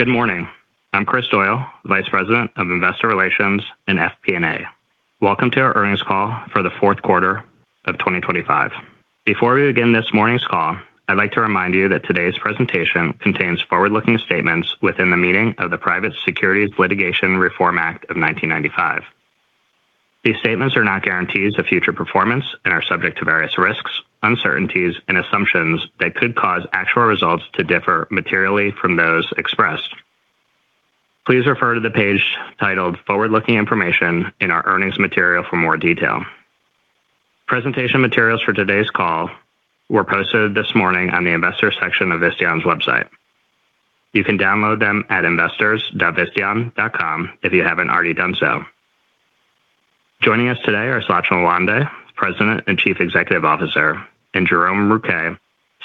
Good morning. I'm Kris Doyle, Vice President of Investor Relations and FP&A. Welcome to our earnings call for the fourth quarter of 2025. Before we begin this morning's call, I'd like to remind you that today's presentation contains forward-looking statements within the meaning of the Private Securities Litigation Reform Act of 1995. These statements are not guarantees of future performance and are subject to various risks, uncertainties, and assumptions that could cause actual results to differ materially from those expressed. Please refer to the page titled Forward-Looking Information in our earnings material for more detail. Presentation materials for today's call were posted this morning on the Investors section of Visteon's website. You can download them at investors.visteon.com if you haven't already done so. Joining us today are Sachin Lawande, President and Chief Executive Officer, and Jerome Rouquet,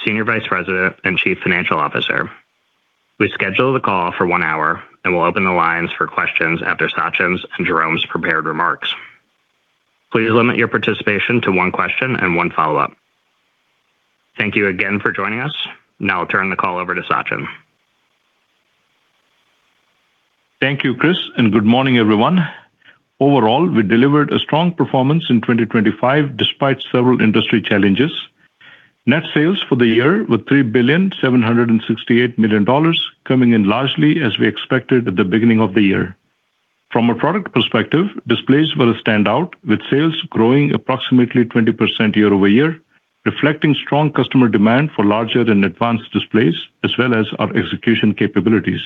Senior Vice President and Chief Financial Officer. We scheduled the call for one hour, and we'll open the lines for questions after Sachin's and Jerome's prepared remarks. Please limit your participation to one question and one follow-up. Thank you again for joining us. Now I'll turn the call over to Sachin. Thank you, Kris, and good morning, everyone. Overall, we delivered a strong performance in 2025 despite several industry challenges. Net sales for the year were $3,768,000,000, coming in largely as we expected at the beginning of the year. From a product perspective, displays were a standout, with sales growing approximately 20% year-over-year, reflecting strong customer demand for larger and advanced displays, as well as our execution capabilities.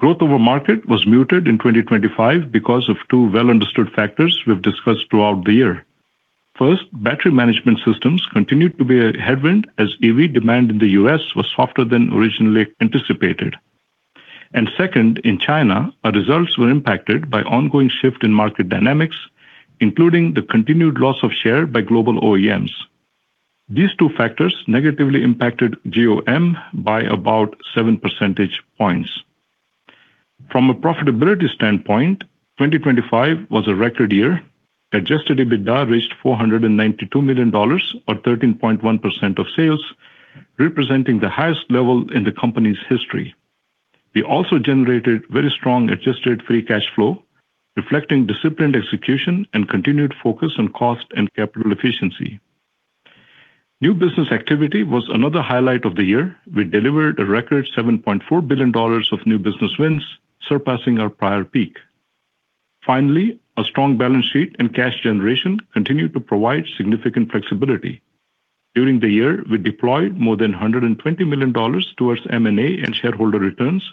Growth over market was muted in 2025 because of two well-understood factors we've discussed throughout the year. First, battery management systems continued to be a headwind as EV demand in the U.S. was softer than originally anticipated. And second, in China, our results were impacted by ongoing shift in market dynamics, including the continued loss of share by global OEMs. These two factors negatively impacted GOM by about 7 percentage points. From a profitability standpoint, 2025 was a record year. Adjusted EBITDA reached $492 million or 13.1% of sales, representing the highest level in the company's history. We also generated very strong adjusted free cash flow, reflecting disciplined execution and continued focus on cost and capital efficiency. New business activity was another highlight of the year. We delivered a record $7.4 billion of new business wins, surpassing our prior peak. Finally, a strong balance sheet and cash generation continued to provide significant flexibility. During the year, we deployed more than $120 million towards M&A and shareholder returns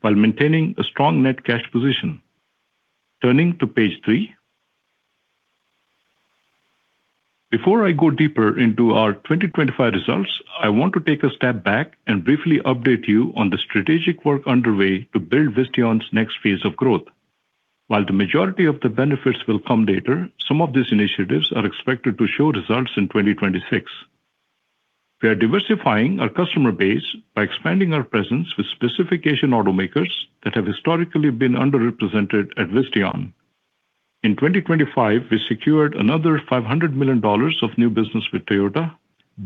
while maintaining a strong net cash position. Turning to page three. Before I go deeper into our 2025 results, I want to take a step back and briefly update you on the strategic work underway to build Visteon's next phase of growth. While the majority of the benefits will come later, some of these initiatives are expected to show results in 2026. We are diversifying our customer base by expanding our presence with specification automakers that have historically been underrepresented at Visteon. In 2025, we secured another $500 million of new business with Toyota,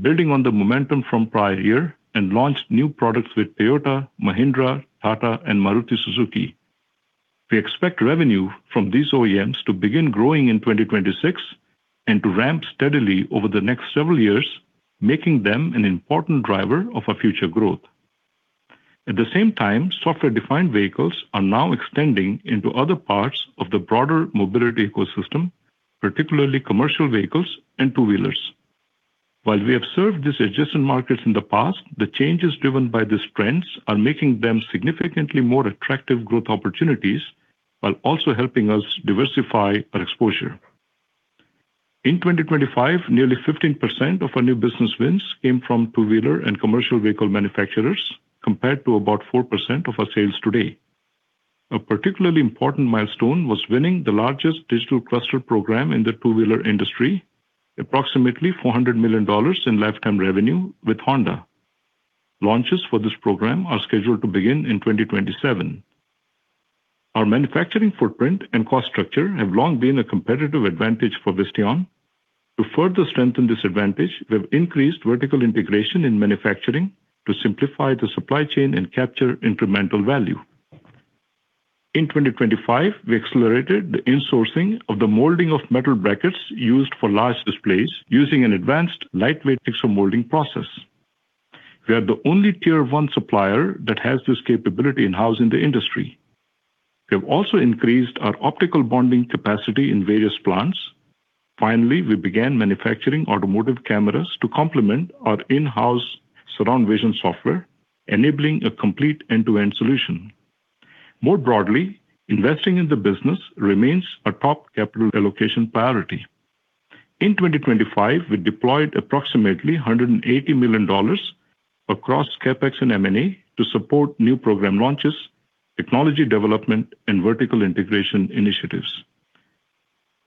building on the momentum from prior year, and launched new products with Toyota, Mahindra, Tata, and Maruti Suzuki. We expect revenue from these OEMs to begin growing in 2026 and to ramp steadily over the next several years, making them an important driver of our future growth. At the same time, software-defined vehicles are now extending into other parts of the broader mobility ecosystem, particularly commercial vehicles and two-wheelers. While we have served these adjacent markets in the past, the changes driven by these trends are making them significantly more attractive growth opportunities while also helping us diversify our exposure. In 2025, nearly 15% of our new business wins came from two-wheeler and commercial vehicle manufacturers, compared to about 4% of our sales today. A particularly important milestone was winning the largest digital cluster program in the two-wheeler industry, approximately $400 million in lifetime revenue with Honda. Launches for this program are scheduled to begin in 2027. Our manufacturing footprint and cost structure have long been a competitive advantage for Visteon. To further strengthen this advantage, we have increased vertical integration in manufacturing to simplify the supply chain and capture incremental value. In 2025, we accelerated the insourcing of the molding of metal brackets used for large displays using an advanced lightweight pixel molding process. We are the only Tier 1 supplier that has this capability in-house in the industry. We have also increased our optical bonding capacity in various plants. Finally, we began manufacturing automotive cameras to complement our in-house surround vision software, enabling a complete end-to-end solution. More broadly, investing in the business remains a top capital allocation priority. In 2025, we deployed approximately $180 million across CapEx and M&A to support new program launches, technology development, and vertical integration initiatives.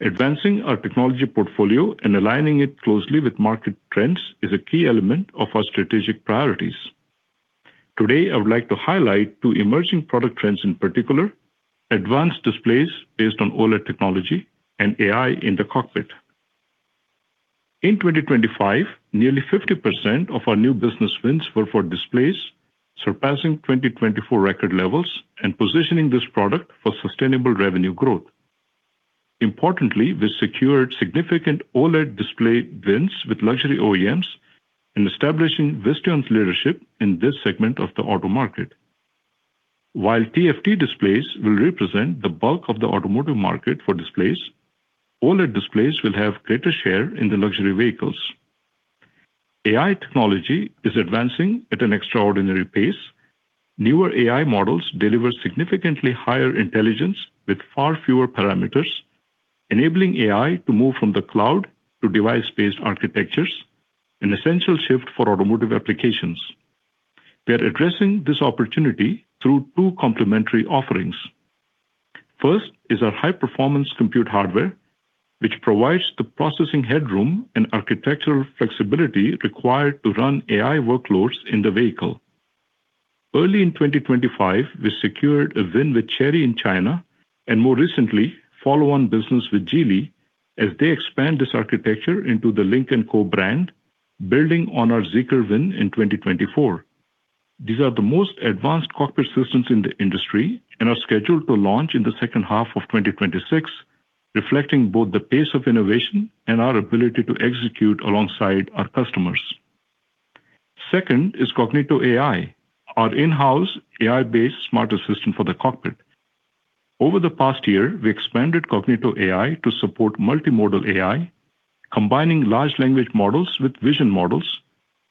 Advancing our technology portfolio and aligning it closely with market trends is a key element of our strategic priorities. Today, I would like to highlight two emerging product trends, in particular, advanced displays based on OLED technology and AI in the cockpit... In 2025, nearly 50% of our new business wins were for displays, surpassing 2024 record levels and positioning this product for sustainable revenue growth. Importantly, we secured significant OLED display wins with luxury OEMs in establishing Visteon's leadership in this segment of the auto market. While TFT displays will represent the bulk of the automotive market for displays, OLED displays will have greater share in the luxury vehicles. AI technology is advancing at an extraordinary pace. Newer AI models deliver significantly higher intelligence with far fewer parameters, enabling AI to move from the cloud to device-based architectures, an essential shift for automotive applications. We are addressing this opportunity through two complementary offerings. First is our high-performance compute hardware, which provides the processing headroom and architectural flexibility required to run AI workloads in the vehicle. Early in 2025, we secured a win with Chery in China and more recently, follow-on business with Geely as they expand this architecture into the Lynk & Co brand, building on our Zeekr win in 2024. These are the most advanced cockpit systems in the industry and are scheduled to launch in the second half of 2026, reflecting both the pace of innovation and our ability to execute alongside our customers. Second is Cognito AI, our in-house AI-based smart assistant for the cockpit. Over the past year, we expanded Cognito AI to support multimodal AI, combining large language models with vision models,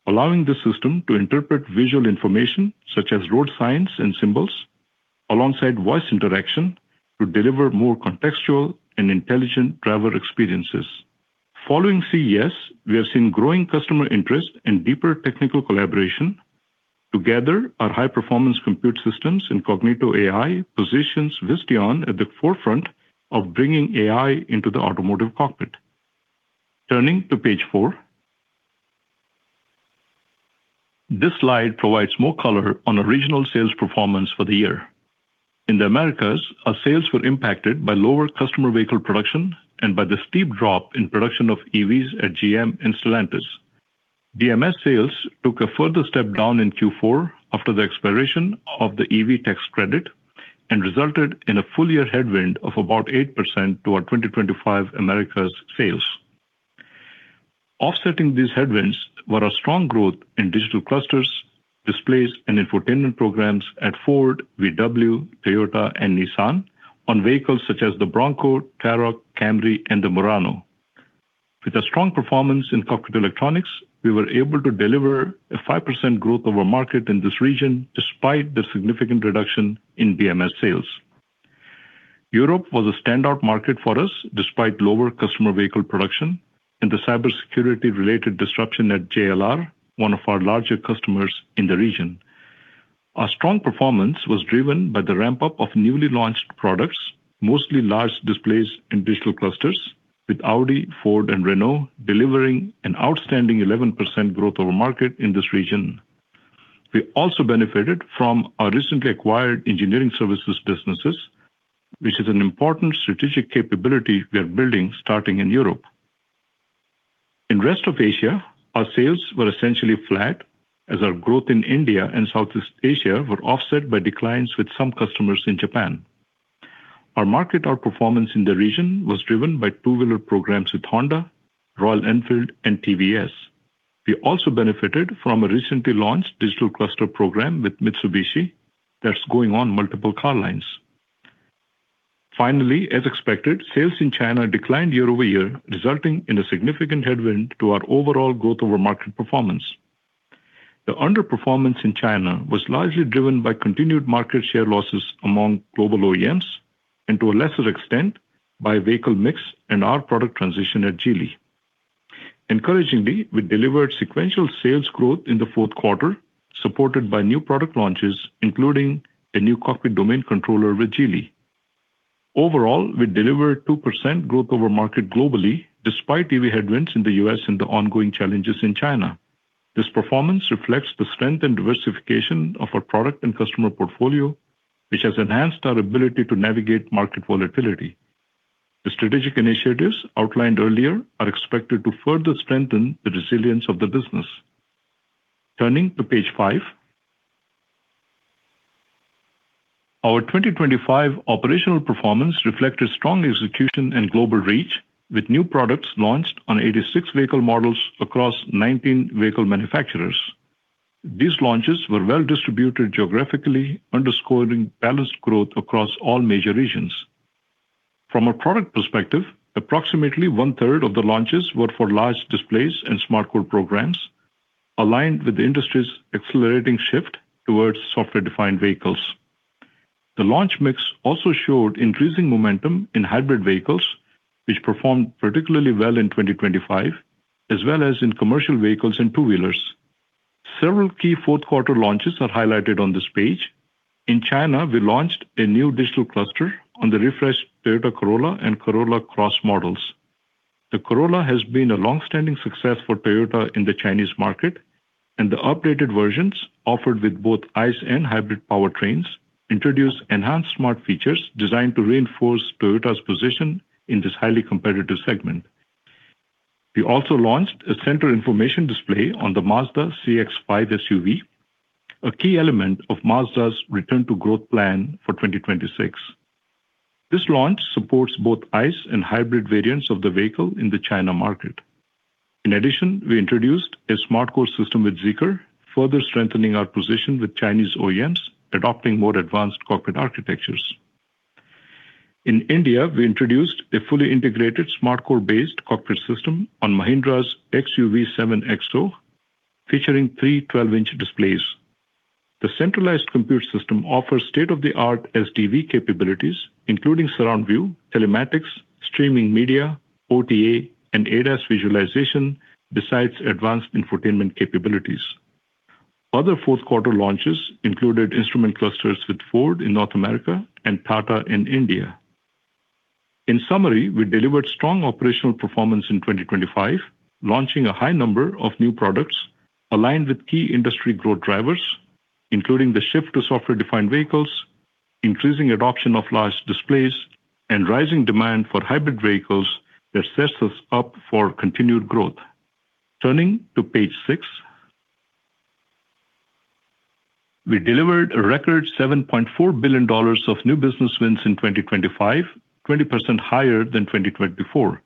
allowing the system to interpret visual information such as road signs and symbols, alongside voice interaction to deliver more contextual and intelligent driver experiences. Following CES, we have seen growing customer interest and deeper technical collaboration. Together, our high-performance compute systems and Cognito AI positions Visteon at the forefront of bringing AI into the automotive cockpit. Turning to page four. This slide provides more color on our regional sales performance for the year. In the Americas, our sales were impacted by lower customer vehicle production and by the steep drop in production of EVs at GM and Stellantis. DMS sales took a further step down in Q4 after the expiration of the EV tax credit, and resulted in a full-year headwind of about 8% to our 2025 Americas sales. Offsetting these headwinds were a strong growth in digital clusters, displays, and infotainment programs at Ford, VW, Toyota, and Nissan on vehicles such as the Bronco, Tarok, Camry, and the Murano. With a strong performance in cockpit electronics, we were able to deliver a 5% growth over market in this region, despite the significant reduction in DMS sales. Europe was a standout market for us, despite lower customer vehicle production and the cybersecurity-related disruption at JLR, one of our larger customers in the region. Our strong performance was driven by the ramp-up of newly launched products, mostly large displays and digital clusters, with Audi, Ford, and Renault delivering an outstanding 11% growth over market in this region. We also benefited from our recently acquired engineering services businesses, which is an important strategic capability we are building, starting in Europe. In rest of Asia, our sales were essentially flat as our growth in India and Southeast Asia were offset by declines with some customers in Japan. Our market, our performance in the region was driven by two-wheeler programs with Honda, Royal Enfield, and TVS. We also benefited from a recently launched digital cluster program with Mitsubishi that's going on multiple car lines. Finally, as expected, sales in China declined year-over-year, resulting in a significant headwind to our overall growth over market performance. The underperformance in China was largely driven by continued market share losses among global OEMs, and to a lesser extent, by vehicle mix and our product transition at Geely. Encouragingly, we delivered sequential sales growth in the fourth quarter, supported by new product launches, including a new cockpit domain controller with Geely. Overall, we delivered 2% growth over market globally, despite EV headwinds in the U.S. and the ongoing challenges in China. This performance reflects the strength and diversification of our product and customer portfolio, which has enhanced our ability to navigate market volatility. The strategic initiatives outlined earlier are expected to further strengthen the resilience of the business. Turning to page five. Our 2025 operational performance reflected strong execution and global reach, with new products launched on 86 vehicle models across 19 vehicle manufacturers. These launches were well-distributed geographically, underscoring balanced growth across all major regions. From a product perspective, approximately one-third of the launches were for large displays and SmartCore programs, aligned with the industry's accelerating shift towards software-defined vehicles. The launch mix also showed increasing momentum in hybrid vehicles, which performed particularly well in 2025, as well as in commercial vehicles and two-wheelers. Several key fourth quarter launches are highlighted on this page. In China, we launched a new digital cluster on the refreshed Toyota Corolla and Corolla Cross models. The Corolla has been a long-standing success for Toyota in the Chinese market... and the updated versions, offered with both ICE and hybrid powertrains, introduce enhanced smart features designed to reinforce Toyota's position in this highly competitive segment. We also launched a center information display on the Mazda CX-5 SUV, a key element of Mazda's return to growth plan for 2026. This launch supports both ICE and hybrid variants of the vehicle in the China market. In addition, we introduced a SmartCore system with Zeekr, further strengthening our position with Chinese OEMs, adopting more advanced cockpit architectures. In India, we introduced a fully integrated SmartCore-based cockpit system on Mahindra's XUV700, featuring three 12-inch displays. The centralized compute system offers state-of-the-art SDV capabilities, including surround view, telematics, streaming media, OTA, and ADAS visualization, besides advanced infotainment capabilities. Other fourth quarter launches included instrument clusters with Ford in North America and Tata in India. In summary, we delivered strong operational performance in 2025, launching a high number of new products aligned with key industry growth drivers, including the shift to software-defined vehicles, increasing adoption of large displays, and rising demand for hybrid vehicles that sets us up for continued growth. Turning to page six. We delivered a record $7.4 billion of new business wins in 2025, 20% higher than 2024.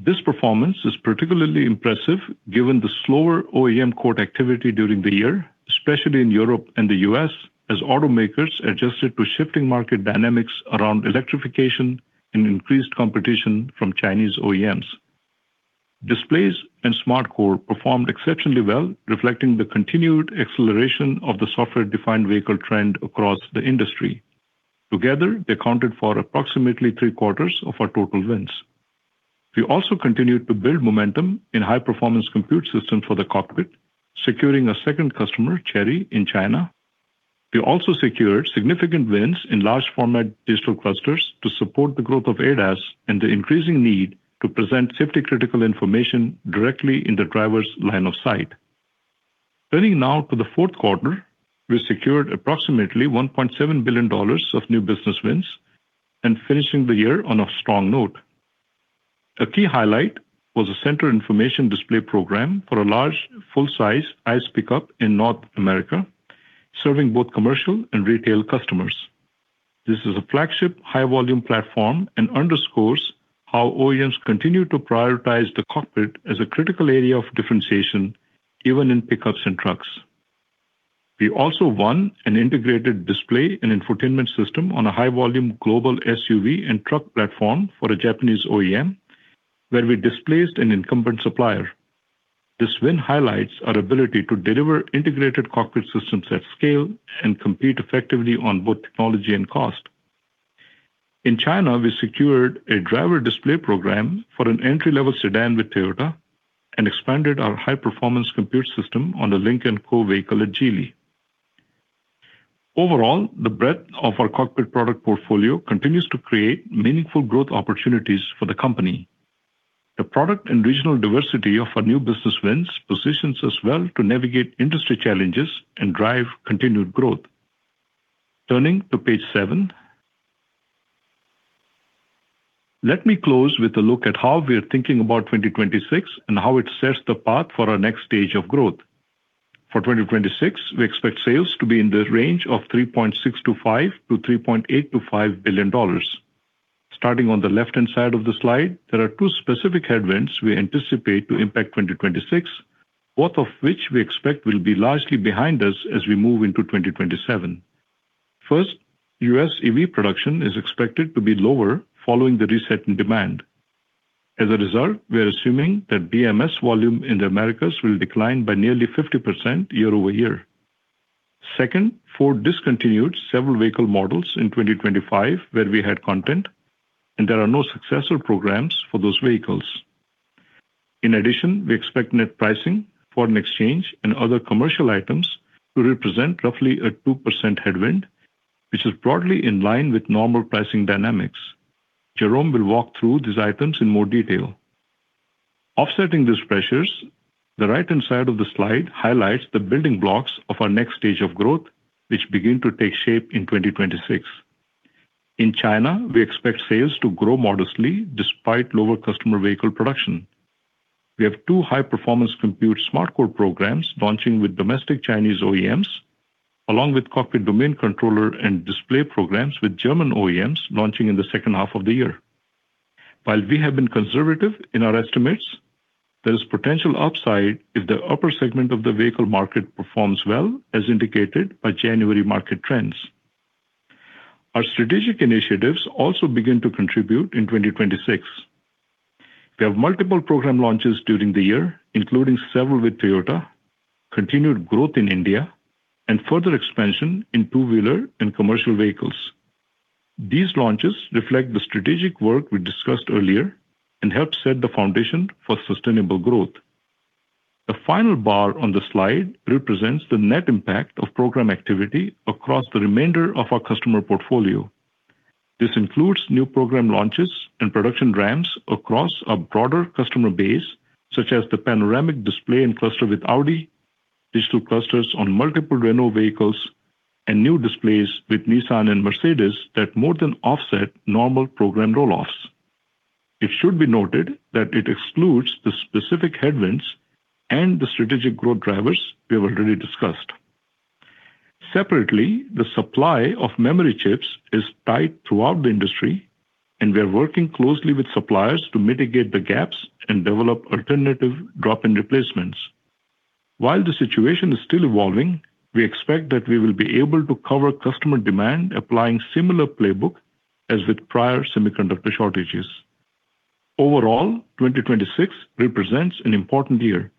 This performance is particularly impressive given the slower OEM quote activity during the year, especially in Europe and the U.S., as automakers adjusted to shifting market dynamics around electrification and increased competition from Chinese OEMs. Displays and SmartCore performed exceptionally well, reflecting the continued acceleration of the software-defined vehicle trend across the industry. Together, they accounted for approximately three-quarters of our total wins. We also continued to build momentum in high-performance compute systems for the cockpit, securing a second customer, Chery, in China. We also secured significant wins in large format digital clusters to support the growth of ADAS and the increasing need to present safety-critical information directly in the driver's line of sight. Turning now to the fourth quarter, we secured approximately $1.7 billion of new business wins, finishing the year on a strong note. A key highlight was a center information display program for a large, full-size ICE pickup in North America, serving both commercial and retail customers. This is a flagship high-volume platform and underscores how OEMs continue to prioritize the cockpit as a critical area of differentiation, even in pickups and trucks. We also won an integrated display and infotainment system on a high-volume global SUV and truck platform for a Japanese OEM, where we displaced an incumbent supplier. This win highlights our ability to deliver integrated cockpit systems at scale and compete effectively on both technology and cost. In China, we secured a driver display program for an entry-level sedan with Toyota and expanded our high-performance compute system on the Lynk & Co vehicle at Geely. Overall, the breadth of our cockpit product portfolio continues to create meaningful growth opportunities for the company. The product and regional diversity of our new business wins positions us well to navigate industry challenges and drive continued growth. Turning to page seven. Let me close with a look at how we are thinking about 2026 and how it sets the path for our next stage of growth. For 2026, we expect sales to be in the range of $3.65 billion-$3.85 billion. Starting on the left-hand side of the slide, there are two specific headwinds we anticipate to impact 2026, both of which we expect will be largely behind us as we move into 2027. First, US EV production is expected to be lower following the reset in demand. As a result, we are assuming that BMS volume in the Americas will decline by nearly 50% year-over-year. Second, Ford discontinued several vehicle models in 2025, where we had content, and there are no successful programs for those vehicles. In addition, we expect net pricing, foreign exchange, and other commercial items to represent roughly a 2% headwind, which is broadly in line with normal pricing dynamics. Jerome will walk through these items in more detail. Offsetting these pressures, the right-hand side of the slide highlights the building blocks of our next stage of growth, which begin to take shape in 2026. In China, we expect sales to grow modestly despite lower customer vehicle production. We have two high-performance compute SmartCore programs launching with domestic Chinese OEMs, along with cockpit domain controller and display programs with German OEMs launching in the second half of the year. While we have been conservative in our estimates, there is potential upside if the upper segment of the vehicle market performs well, as indicated by January market trends. Our strategic initiatives also begin to contribute in 2026. We have multiple program launches during the year, including several with Toyota, continued growth in India, and further expansion in two-wheeler and commercial vehicles. These launches reflect the strategic work we discussed earlier and help set the foundation for sustainable growth. The final bar on the slide represents the net impact of program activity across the remainder of our customer portfolio.... This includes new program launches and production ramps across a broader customer base, such as the panoramic display and cluster with Audi, digital clusters on multiple Renault vehicles, and new displays with Nissan and Mercedes that more than offset normal program roll-offs. It should be noted that it excludes the specific headwinds and the strategic growth drivers we have already discussed. Separately, the supply of memory chips is tight throughout the industry, and we are working closely with suppliers to mitigate the gaps and develop alternative drop-in replacements. While the situation is still evolving, we expect that we will be able to cover customer demand, applying similar playbook as with prior semiconductor shortages. Overall, 2026 represents an important year.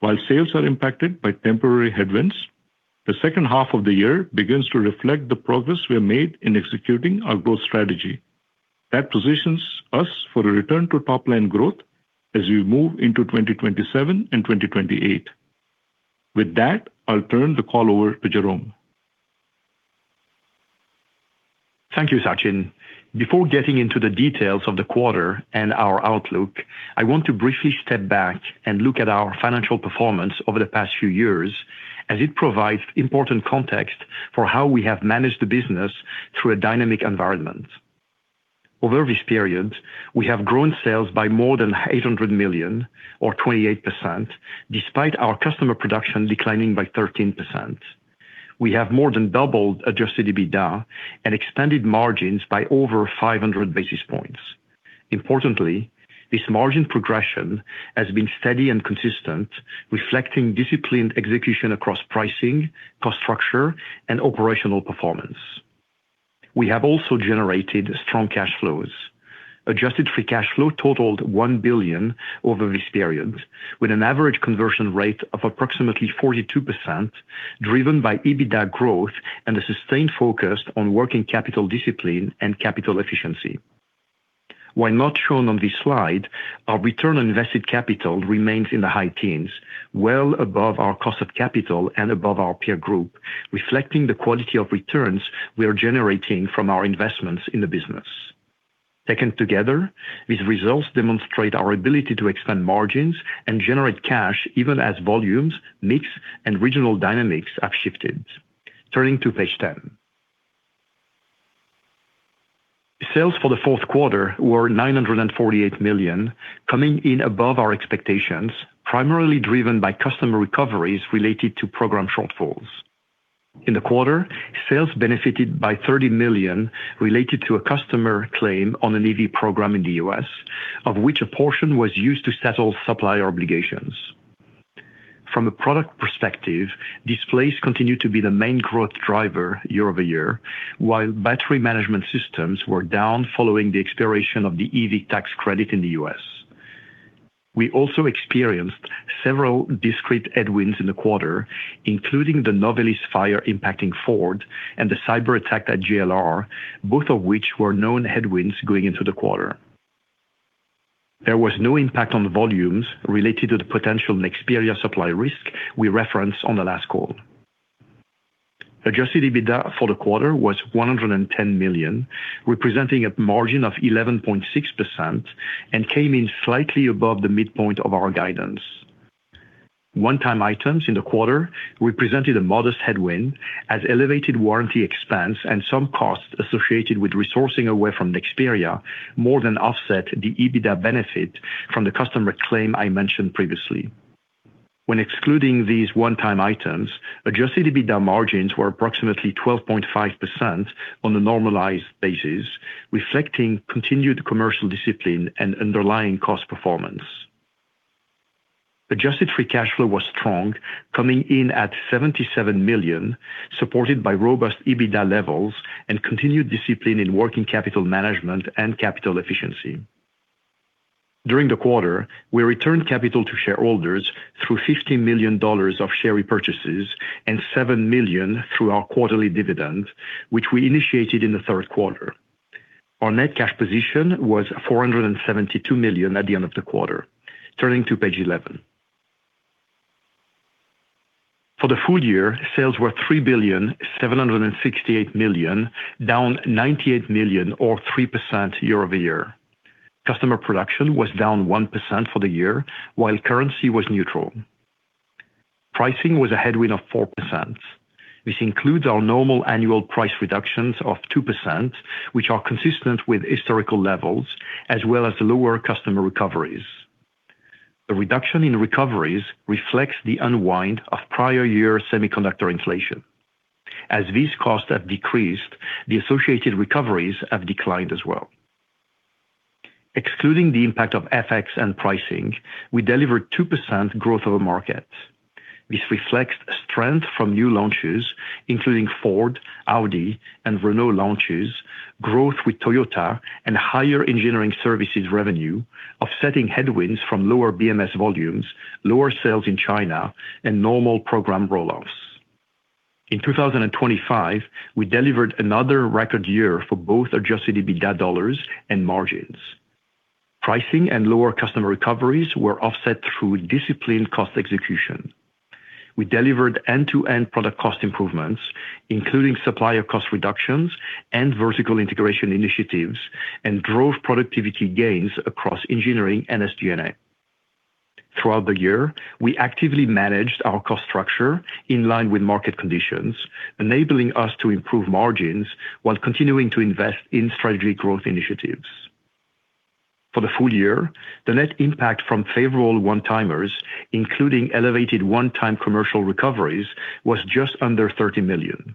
While sales are impacted by temporary headwinds, the second half of the year begins to reflect the progress we have made in executing our growth strategy. That positions us for a return to top-line growth as we move into 2027 and 2028. With that, I'll turn the call over to Jerome. Thank you, Sachin. Before getting into the details of the quarter and our outlook, I want to briefly step back and look at our financial performance over the past few years, as it provides important context for how we have managed the business through a dynamic environment. Over this period, we have grown sales by more than $800 million or 28%, despite our customer production declining by 13%. We have more than doubled Adjusted EBITDA and expanded margins by over 500 basis points. Importantly, this margin progression has been steady and consistent, reflecting disciplined execution across pricing, cost structure, and operational performance. We have also generated strong cash flows. Adjusted Free Cash Flow totaled $1 billion over this period, with an average conversion rate of approximately 42%, driven by EBITDA growth and a sustained focus on working capital discipline and capital efficiency. While not shown on this slide, our return on invested capital remains in the high teens, well above our cost of capital and above our peer group, reflecting the quality of returns we are generating from our investments in the business. Taken together, these results demonstrate our ability to expand margins and generate cash, even as volumes, mix, and regional dynamics have shifted. Turning to page 10. Sales for the fourth quarter were $948 million, coming in above our expectations, primarily driven by customer recoveries related to program shortfalls. In the quarter, sales benefited by $30 million, related to a customer claim on an EV program in the U.S., of which a portion was used to settle supplier obligations. From a product perspective, displays continued to be the main growth driver year-over-year, while battery management systems were down following the expiration of the EV tax credit in the U.S. We also experienced several discrete headwinds in the quarter, including the Novelis fire impacting Ford and the cyberattack at JLR, both of which were known headwinds going into the quarter. There was no impact on volumes related to the potential Nexperia supply risk we referenced on the last call. Adjusted EBITDA for the quarter was $110 million, representing a margin of 11.6%, and came in slightly above the midpoint of our guidance. One-time items in the quarter represented a modest headwind, as elevated warranty expense and some costs associated with resourcing away from Nexperia more than offset the EBITDA benefit from the customer claim I mentioned previously. When excluding these one-time items, Adjusted EBITDA margins were approximately 12.5% on a normalized basis, reflecting continued commercial discipline and underlying cost performance. Adjusted free cash flow was strong, coming in at $77 million, supported by robust EBITDA levels and continued discipline in working capital management and capital efficiency. During the quarter, we returned capital to shareholders through $50 million of share repurchases and $7 million through our quarterly dividend, which we initiated in the third quarter. Our net cash position was $472 million at the end of the quarter. Turning to page 11. For the full year, sales were $3,768,000,000, down $98 million or 3% year-over-year. Customer production was down 1% for the year, while currency was neutral. Pricing was a headwind of 4%. This includes our normal annual price reductions of 2%, which are consistent with historical levels, as well as lower customer recoveries. The reduction in recoveries reflects the unwind of prior year semiconductor inflation. As these costs have decreased, the associated recoveries have declined as well. Excluding the impact of FX and pricing, we delivered 2% growth over market. This reflects strength from new launches, including Ford, Audi, and Renault launches, growth with Toyota, and higher engineering services revenue, offsetting headwinds from lower BMS volumes, lower sales in China, and normal program roll-offs. In 2025, we delivered another record year for both adjusted EBITDA dollars and margins. Pricing and lower customer recoveries were offset through disciplined cost execution. We delivered end-to-end product cost improvements, including supplier cost reductions and vertical integration initiatives, and drove productivity gains across engineering and SG&A. Throughout the year, we actively managed our cost structure in line with market conditions, enabling us to improve margins while continuing to invest in strategic growth initiatives. For the full year, the net impact from favorable one-timers, including elevated one-time commercial recoveries, was just under $30 million.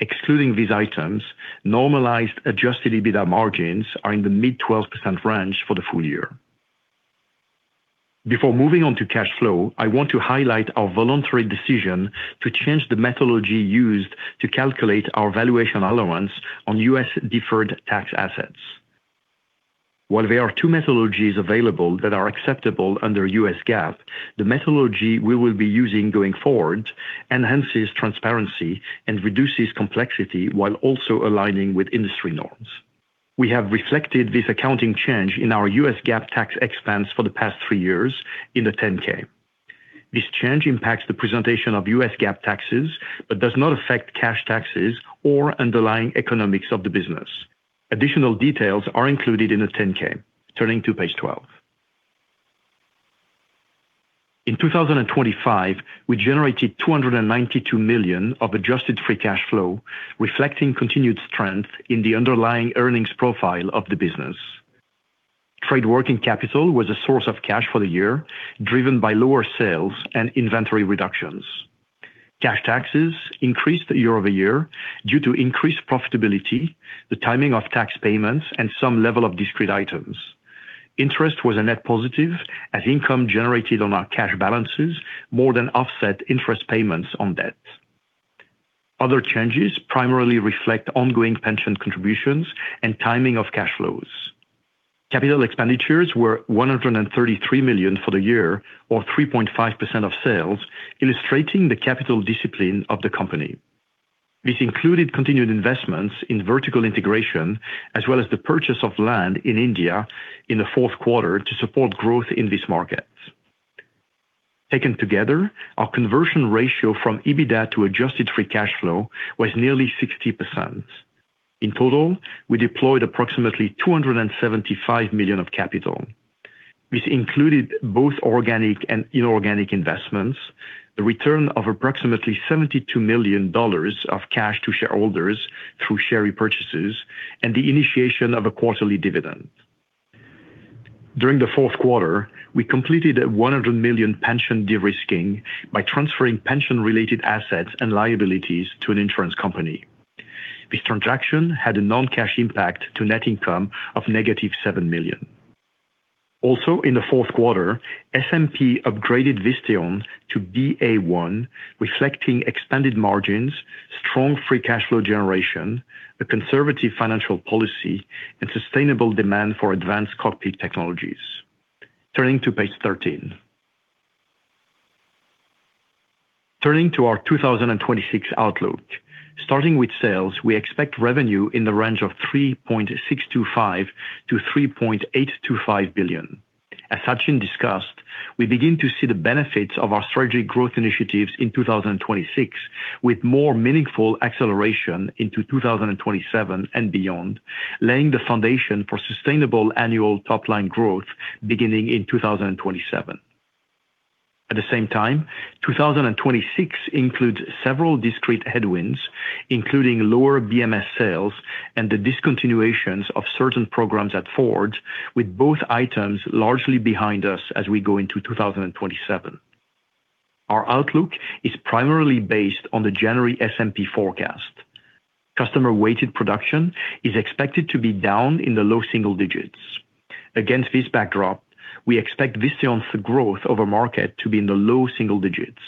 Excluding these items, normalized adjusted EBITDA margins are in the mid-12% range for the full year. Before moving on to cash flow, I want to highlight our voluntary decision to change the methodology used to calculate our valuation allowance on U.S. deferred tax assets. While there are 2 methodologies available that are acceptable under U.S. GAAP, the methodology we will be using going forward enhances transparency and reduces complexity while also aligning with industry norms. We have reflected this accounting change in our U.S. GAAP tax expense for the past three years in the 10-K. This change impacts the presentation of U.S. GAAP taxes, but does not affect cash taxes or underlying economics of the business. Additional details are included in the 10-K. Turning to page 12. In 2025, we generated $292 million of Adjusted Free Cash Flow, reflecting continued strength in the underlying earnings profile of the business. Trade working capital was a source of cash for the year, driven by lower sales and inventory reductions. Cash taxes increased year-over-year due to increased profitability, the timing of tax payments, and some level of discrete items. Interest was a net positive, as income generated on our cash balances more than offset interest payments on debt. Other changes primarily reflect ongoing pension contributions and timing of cash flows. Capital expenditures were $133 million for the year, or 3.5% of sales, illustrating the capital discipline of the company. This included continued investments in vertical integration, as well as the purchase of land in India in the fourth quarter to support growth in these markets. Taken together, our conversion ratio from EBITDA to adjusted free cash flow was nearly 60%. In total, we deployed approximately $275 million of capital. This included both organic and inorganic investments, the return of approximately $72 million of cash to shareholders through share repurchases, and the initiation of a quarterly dividend. During the fourth quarter, we completed a $100 million pension de-risking by transferring pension-related assets and liabilities to an insurance company. This transaction had a non-cash impact to net income of negative $7 million. Also, in the fourth quarter, S&P upgraded Visteon to BA1, reflecting expanded margins, strong free cash flow generation, a conservative financial policy, and sustainable demand for advanced cockpit technologies. Turning to page 13. Turning to our 2026 outlook. Starting with sales, we expect revenue in the range of $3.625 billion-$3.825 billion. As Sachin discussed, we begin to see the benefits of our strategic growth initiatives in 2026, with more meaningful acceleration into 2027 and beyond, laying the foundation for sustainable annual top-line growth beginning in 2027. At the same time, 2026 includes several discrete headwinds, including lower BMS sales and the discontinuations of certain programs at Ford, with both items largely behind us as we go into 2027. Our outlook is primarily based on the January S&P forecast. Customer-weighted production is expected to be down in the low single digits. Against this backdrop, we expect Visteon's growth over market to be in the low single digits.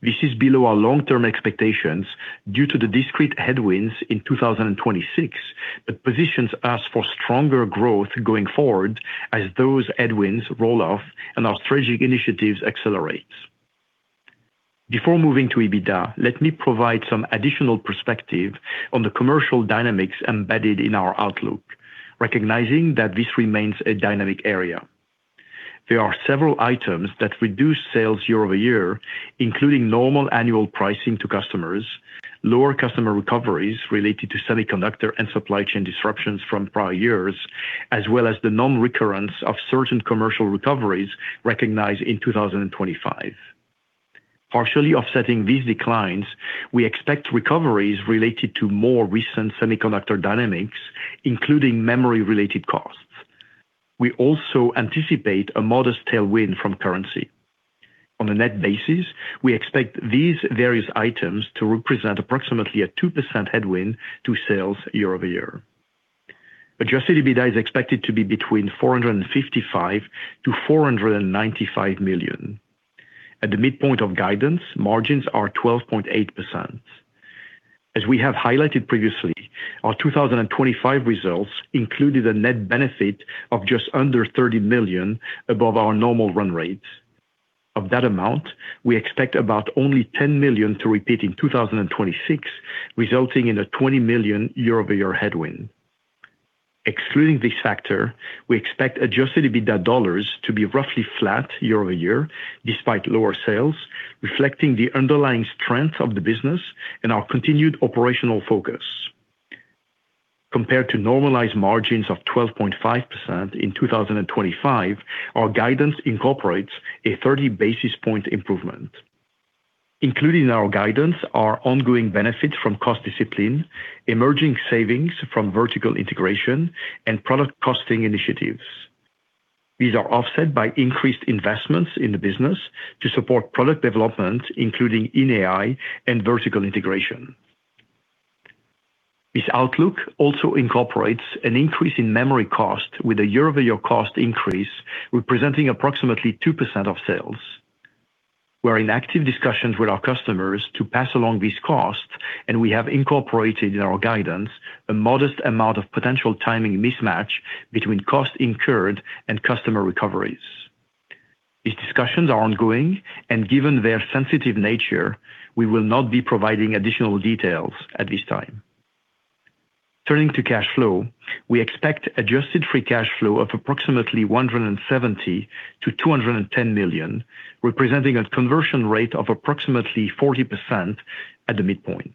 This is below our long-term expectations due to the discrete headwinds in 2026, but positions us for stronger growth going forward as those headwinds roll off and our strategic initiatives accelerate. Before moving to EBITDA, let me provide some additional perspective on the commercial dynamics embedded in our outlook, recognizing that this remains a dynamic area. There are several items that reduce sales year-over-year, including normal annual pricing to customers, lower customer recoveries related to semiconductor and supply chain disruptions from prior years, as well as the non-recurrence of certain commercial recoveries recognized in 2025. Partially offsetting these declines, we expect recoveries related to more recent semiconductor dynamics, including memory-related costs. We also anticipate a modest tailwind from currency. On a net basis, we expect these various items to represent approximately a 2% headwind to sales year-over-year. Adjusted EBITDA is expected to be between $455 million and $495 million. At the midpoint of guidance, margins are 12.8%. As we have highlighted previously, our 2025 results included a net benefit of just under $30 million above our normal run rate.... Of that amount, we expect about only $10 million to repeat in 2026, resulting in a $20 million year-over-year headwind. Excluding this factor, we expect adjusted EBITDA dollars to be roughly flat year-over-year, despite lower sales, reflecting the underlying strength of the business and our continued operational focus. Compared to normalized margins of 12.5% in 2025, our guidance incorporates a 30 basis point improvement. Including in our guidance are ongoing benefits from cost discipline, emerging savings from vertical integration, and product costing initiatives. These are offset by increased investments in the business to support product development, including in AI and vertical integration. This outlook also incorporates an increase in memory cost with a year-over-year cost increase, representing approximately 2% of sales. We are in active discussions with our customers to pass along this cost, and we have incorporated in our guidance a modest amount of potential timing mismatch between costs incurred and customer recoveries. These discussions are ongoing, and given their sensitive nature, we will not be providing additional details at this time. Turning to cash flow, we expect adjusted free cash flow of approximately $170 million-$210 million, representing a conversion rate of approximately 40% at the midpoint.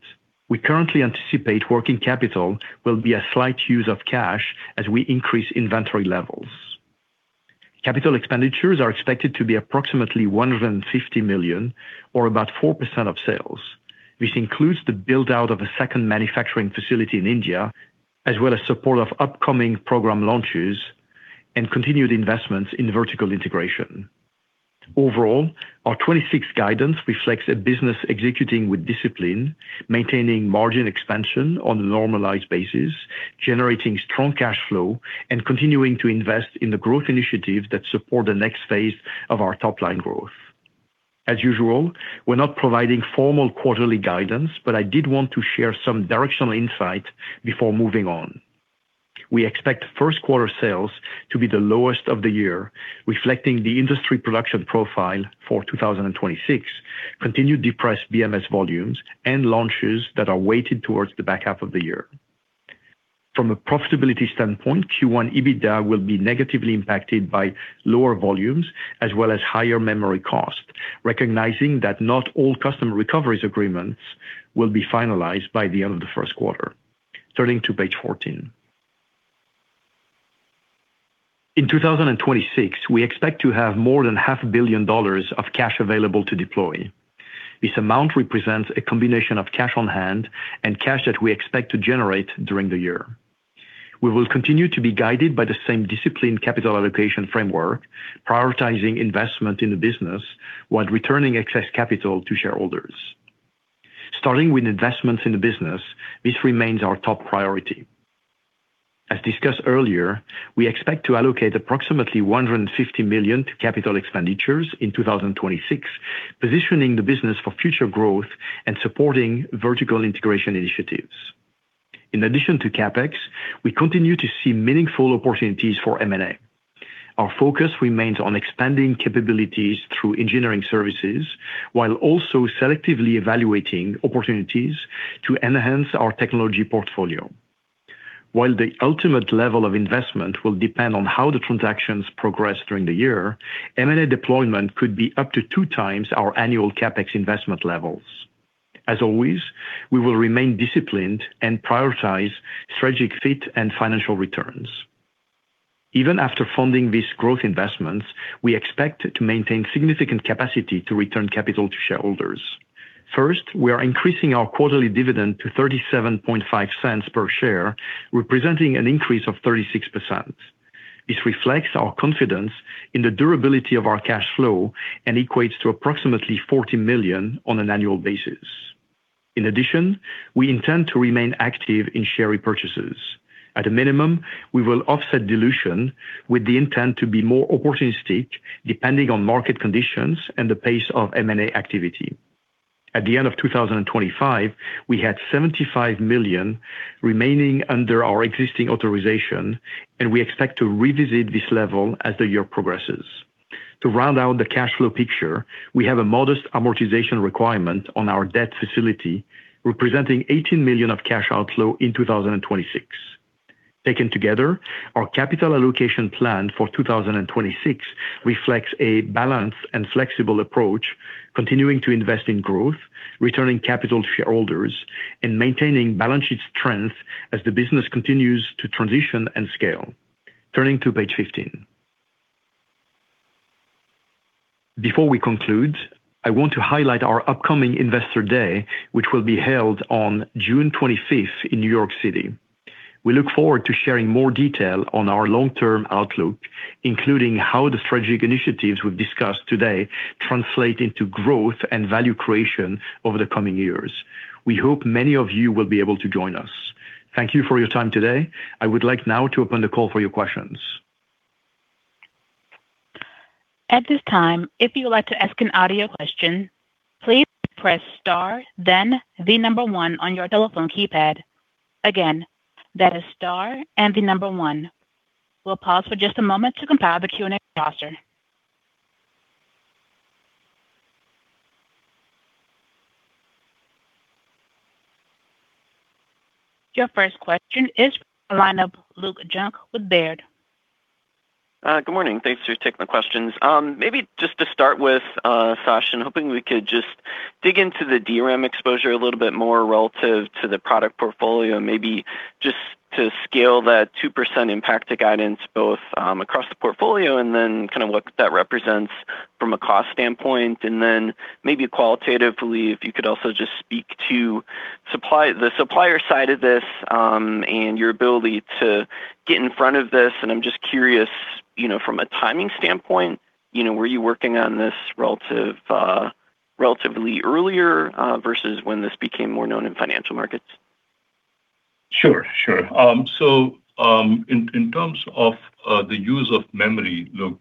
We currently anticipate working capital will be a slight use of cash as we increase inventory levels. Capital expenditures are expected to be approximately $150 million, or about 4% of sales, which includes the build-out of a second manufacturing facility in India, as well as support of upcoming program launches and continued investments in vertical integration. Overall, our 2026 guidance reflects a business executing with discipline, maintaining margin expansion on a normalized basis, generating strong cash flow, and continuing to invest in the growth initiatives that support the next phase of our top-line growth. As usual, we're not providing formal quarterly guidance, but I did want to share some directional insight before moving on. We expect first quarter sales to be the lowest of the year, reflecting the industry production profile for 2026, continued depressed BMS volumes, and launches that are weighted towards the back half of the year. From a profitability standpoint, Q1 EBITDA will be negatively impacted by lower volumes as well as higher memory cost, recognizing that not all customer recoveries agreements will be finalized by the end of the first quarter. Turning to page 14. In 2026, we expect to have more than $500 million of cash available to deploy. This amount represents a combination of cash on hand and cash that we expect to generate during the year. We will continue to be guided by the same disciplined capital allocation framework, prioritizing investment in the business while returning excess capital to shareholders. Starting with investments in the business, this remains our top priority. As discussed earlier, we expect to allocate approximately $150 million to capital expenditures in 2026, positioning the business for future growth and supporting vertical integration initiatives. In addition to CapEx, we continue to see meaningful opportunities for M&A. Our focus remains on expanding capabilities through engineering services, while also selectively evaluating opportunities to enhance our technology portfolio. While the ultimate level of investment will depend on how the transactions progress during the year, M&A deployment could be up to 2x our annual CapEx investment levels. As always, we will remain disciplined and prioritize strategic fit and financial returns. Even after funding these growth investments, we expect to maintain significant capacity to return capital to shareholders. First, we are increasing our quarterly dividend to $0.375 per share, representing an increase of 36%. This reflects our confidence in the durability of our cash flow and equates to approximately $40 million on an annual basis. In addition, we intend to remain active in share repurchases. At a minimum, we will offset dilution with the intent to be more opportunistic, depending on market conditions and the pace of M&A activity. At the end of 2025, we had $75 million remaining under our existing authorization, and we expect to revisit this level as the year progresses. To round out the cash flow picture, we have a modest amortization requirement on our debt facility, representing $18 million of cash outflow in 2026. Taken together, our capital allocation plan for 2026 reflects a balanced and flexible approach, continuing to invest in growth, returning capital to shareholders, and maintaining balance sheet strength as the business continues to transition and scale. Turning to page 15. Before we conclude, I want to highlight our upcoming Investor Day, which will be held on June 25th in New York City. We look forward to sharing more detail on our long-term outlook, including how the strategic initiatives we've discussed today translate into growth and value creation over the coming years. We hope many of you will be able to join us. Thank you for your time today. I would like now to open the call for your questions. At this time, if you would like to ask an audio question, please press star, then the number one on your telephone keypad. Again, that is star and the number one. We'll pause for just a moment to compile the Q&A roster. Your first question is from the line of Luke Junk with Baird. Good morning. Thanks for taking the questions. Maybe just to start with, Sachin, hoping we could just dig into the DRAM exposure a little bit more relative to the product portfolio, and maybe just to scale that 2% impact to guidance, both, across the portfolio and then kind of what that represents from a cost standpoint. And then maybe qualitatively, if you could also just speak to supply – the supplier side of this, and your ability to get in front of this. And I'm just curious, you know, from a timing standpoint, you know, were you working on this relative, relatively earlier, versus when this became more known in financial markets? Sure, sure. So, in terms of the use of memory, Luke,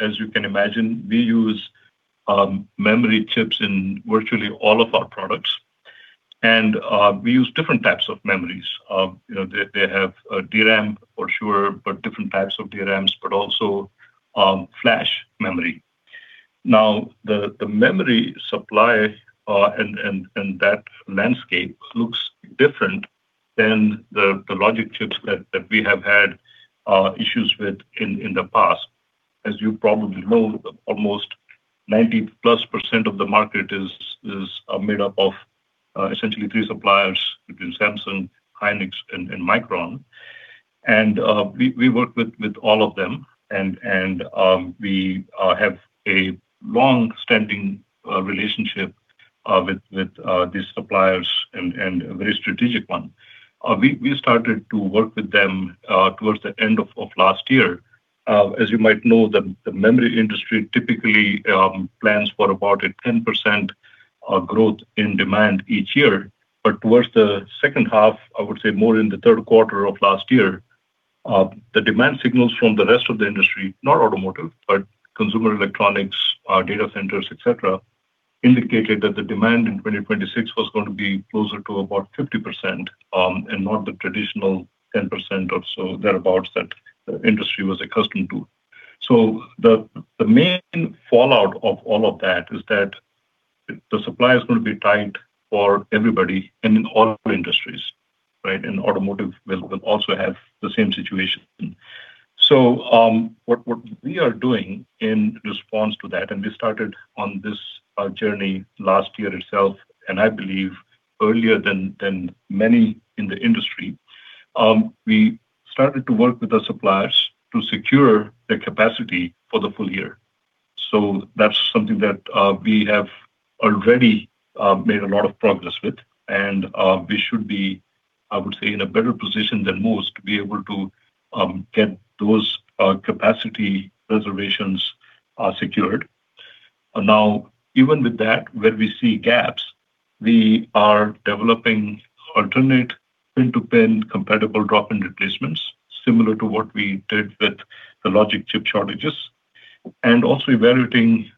as you can imagine, we use memory chips in virtually all of our products, and we use different types of memories. You know, they have DRAM for sure, but different types of DRAMs, but also flash memory. Now, the memory supply and that landscape looks different than the logic chips that we have had issues with in the past. As you probably know, almost 90%+ of the market is made up of essentially three suppliers, between Samsung, Hynix, and Micron. And we work with all of them, and we have a long-standing relationship with these suppliers and a very strategic one. We started to work with them towards the end of last year. As you might know, the memory industry typically plans for about a 10% growth in demand each year, but towards the second half, I would say more in the third quarter of last year, the demand signals from the rest of the industry, not automotive, but consumer electronics, data centers, et cetera, indicated that the demand in 2026 was going to be closer to about 50%, and not the traditional 10% or so thereabouts, that the industry was accustomed to. So the main fallout of all of that is that the supply is going to be tight for everybody and in all industries, right? And automotive will also have the same situation. So, what we are doing in response to that, and we started on this journey last year itself, and I believe earlier than many in the industry, we started to work with the suppliers to secure the capacity for the full year. So that's something that we have already made a lot of progress with, and we should be, I would say, in a better position than most to be able to get those capacity reservations secured. Now, even with that, where we see gaps, we are developing alternate pin-to-pin compatible drop-in replacements, similar to what we did with the logic chip shortages, and also evaluating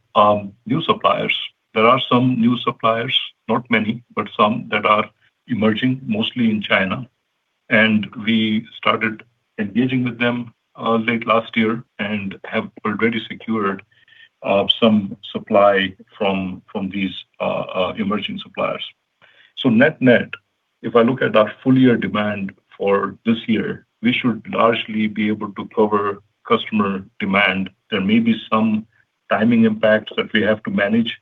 new suppliers. There are some new suppliers, not many, but some that are emerging, mostly in China, and we started engaging with them late last year and have already secured some supply from these emerging suppliers. So net-net, if I look at our full year demand for this year, we should largely be able to cover customer demand. There may be some timing impacts that we have to manage.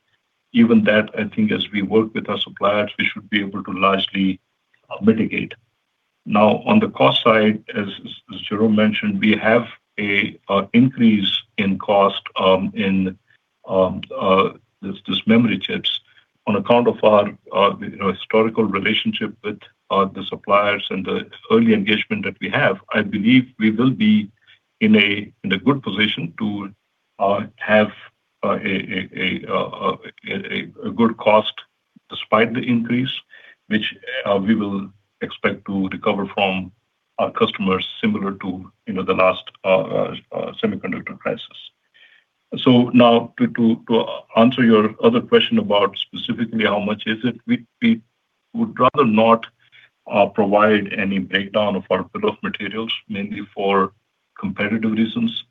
Even that, I think as we work with our suppliers, we should be able to largely mitigate. Now, on the cost side, as Jerome mentioned, we have an increase in cost in these memory chips. On account of our, you know, historical relationship with the suppliers and the early engagement that we have, I believe we will be in a good position to have a good cost despite the increase, which we will expect to recover from our customers similar to, you know, the last semiconductor crisis. So now, to answer your other question about specifically how much is it, we would rather not provide any breakdown of our bill of materials, mainly for competitive reasons.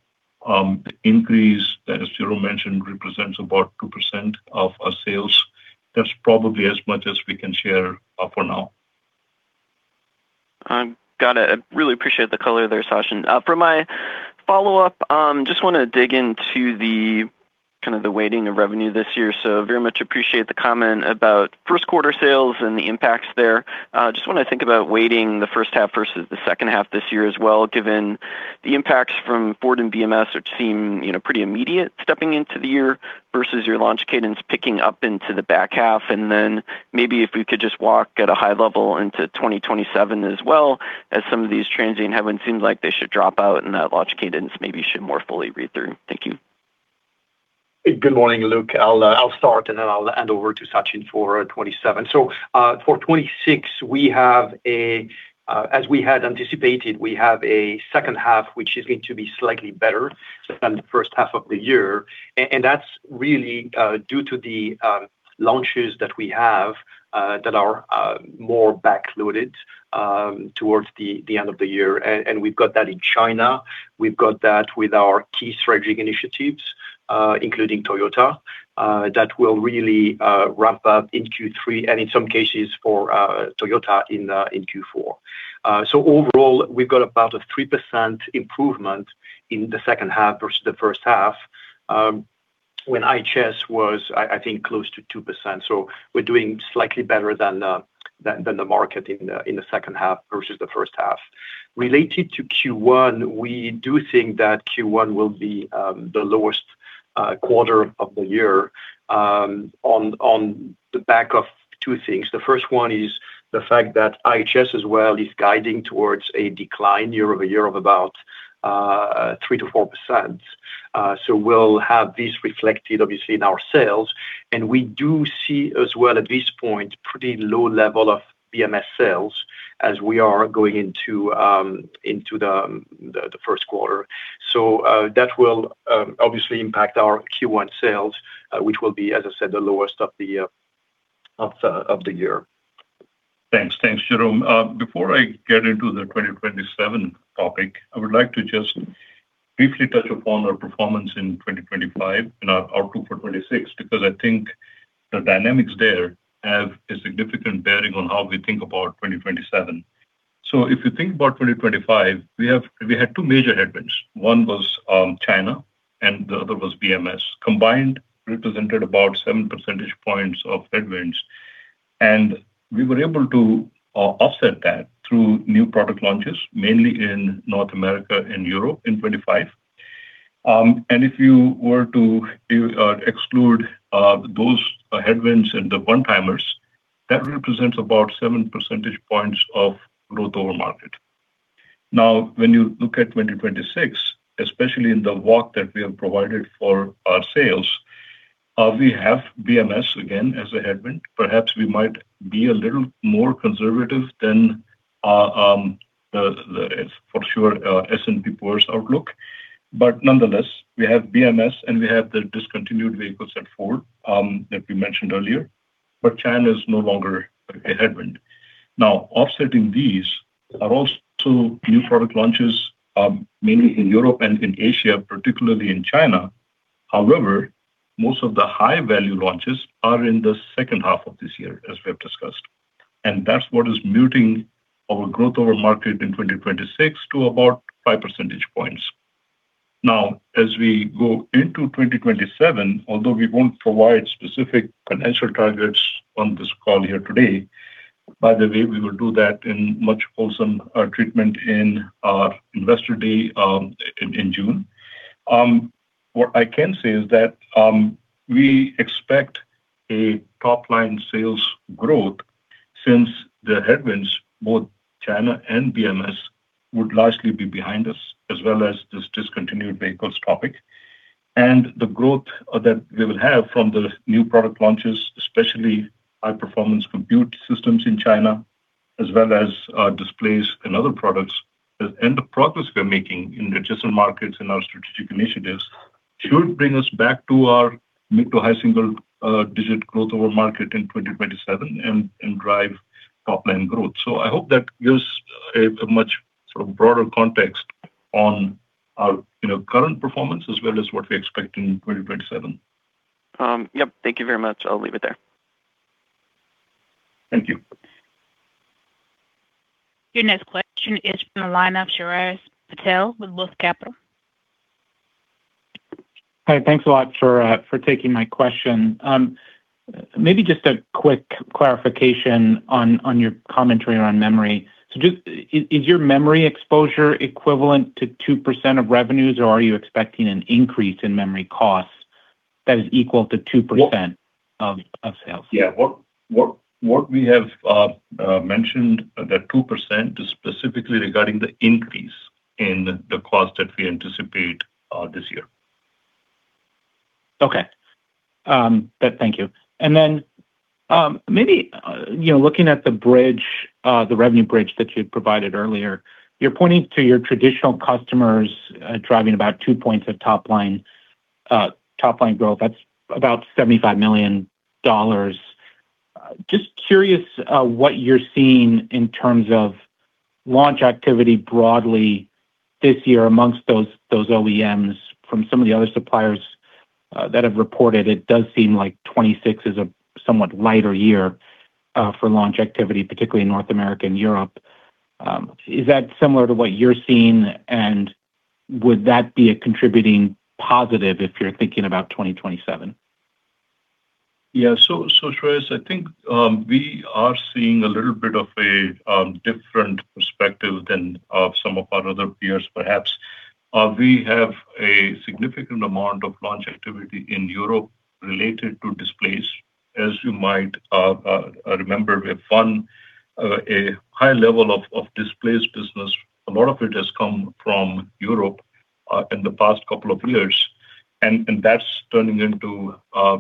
The increase that Jerome mentioned represents about 2% of our sales. That's probably as much as we can share, for now. Got it. I really appreciate the color there, Sachin. For my follow-up, just wanna dig into the kind of the weighting of revenue this year. Very much appreciate the comment about first quarter sales and the impacts there. Just wanna think about weighting the first half versus the second half this year as well, given the impacts from Ford and BMS, which seem, you know, pretty immediate stepping into the year versus your launch cadence picking up into the back half. And then maybe if we could just walk at a high level into 2027 as well, as some of these transient haven't seemed like they should drop out and that launch cadence maybe should more fully read through. Thank you. Good morning, Luke. I'll start and then I'll hand over to Sachin for 2027. So, for 2026, we have a, as we had anticipated, we have a second half, which is going to be slightly better than the first half of the year, and that's really due to the launches that we have that are more backloaded towards the end of the year. And we've got that in China. We've got that with our key strategic initiatives, including Toyota.... that will really ramp up in Q3, and in some cases, for Toyota, in Q4. So overall, we've got about a 3% improvement in the second half versus the first half, when IHS was, I think, close to 2%. So we're doing slightly better than the market in the second half versus the first half. Related to Q1, we do think that Q1 will be the lowest quarter of the year, on the back of two things. The first one is the fact that IHS as well is guiding towards a decline year over year of about 3%-4%.So we'll have this reflected obviously in our sales, and we do see as well at this point, pretty low level of BMS sales as we are going into the first quarter. So, that will obviously impact our Q1 sales, which will be, as I said, the lowest of the year. Thanks. Thanks, Jerome. Before I get into the 2027 topic, I would like to just briefly touch upon our performance in 2025 and our outlook for 2026, because I think the dynamics there have a significant bearing on how we think about 2027. So if you think about 2025, we had two major headwinds. One was, China, and the other was BMS. Combined, represented about 7 percentage points of headwinds, and we were able to offset that through new product launches, mainly in North America and Europe in 25. And if you were to exclude those headwinds and the one-timers, that represents about 7 percentage points of growth over market. Now, when you look at 2026, especially in the walk that we have provided for our sales, we have BMS again, as a headwind. Perhaps we might be a little more conservative than the S&P Global outlook. Nonetheless, we have BMS, and we have the discontinued vehicles at Ford that we mentioned earlier. China is no longer a headwind. Offsetting these are also new product launches, mainly in Europe and in Asia, particularly in China. However, most of the high-value launches are in the second half of this year, as we have discussed, and that's what is muting our growth over market in 2026 to about 5 percentage points. As we go into 2027, although we won't provide specific financial targets on this call here today, by the way, we will do that in much wholesome treatment in our investor day in June. What I can say is that we expect a top-line sales growth since the headwinds, both China and BMS, would largely be behind us, as well as this discontinued vehicles topic. The growth that we will have from the new product launches, especially high-performance compute systems in China, as well as displays in other products, and the progress we're making in the adjacent markets and our strategic initiatives, should bring us back to our mid- to high-single-digit growth over market in 2027 and drive top-line growth. So I hope that gives a much sort of broader context on our, you know, current performance as well as what we expect in 2027. Yep. Thank you very much. I'll leave it there. Thank you. Your next question is from the line of Shreyas Patil with Wolfe Research. Hi, thanks a lot for taking my question. Maybe just a quick clarification on your commentary on memory. So, is your memory exposure equivalent to 2% of revenues, or are you expecting an increase in memory costs that is equal to 2%? What- of sales? Yeah. What we have mentioned, that 2% is specifically regarding the increase in the cost that we anticipate this year. Okay. But thank you. And then, maybe, you know, looking at the bridge, the revenue bridge that you provided earlier, you're pointing to your traditional customers, driving about two points of top line, top line growth. That's about $75 million. Just curious, what you're seeing in terms of launch activity broadly this year amongst those, those OEMs from some of the other suppliers, that have reported, it does seem like 2026 is a somewhat lighter year, for launch activity, particularly in North America and Europe. Is that similar to what you're seeing, and would that be a contributing positive if you're thinking about 2027? Yeah. So, so Shreyas, I think, we are seeing a little bit of a, different perspective than, some of our other peers, perhaps. We have a significant amount of launch activity in Europe related to displays. As you might, remember, we have won, a high level of, of displays business. A lot of it has come from Europe, in the past couple of years, and, and that's turning into,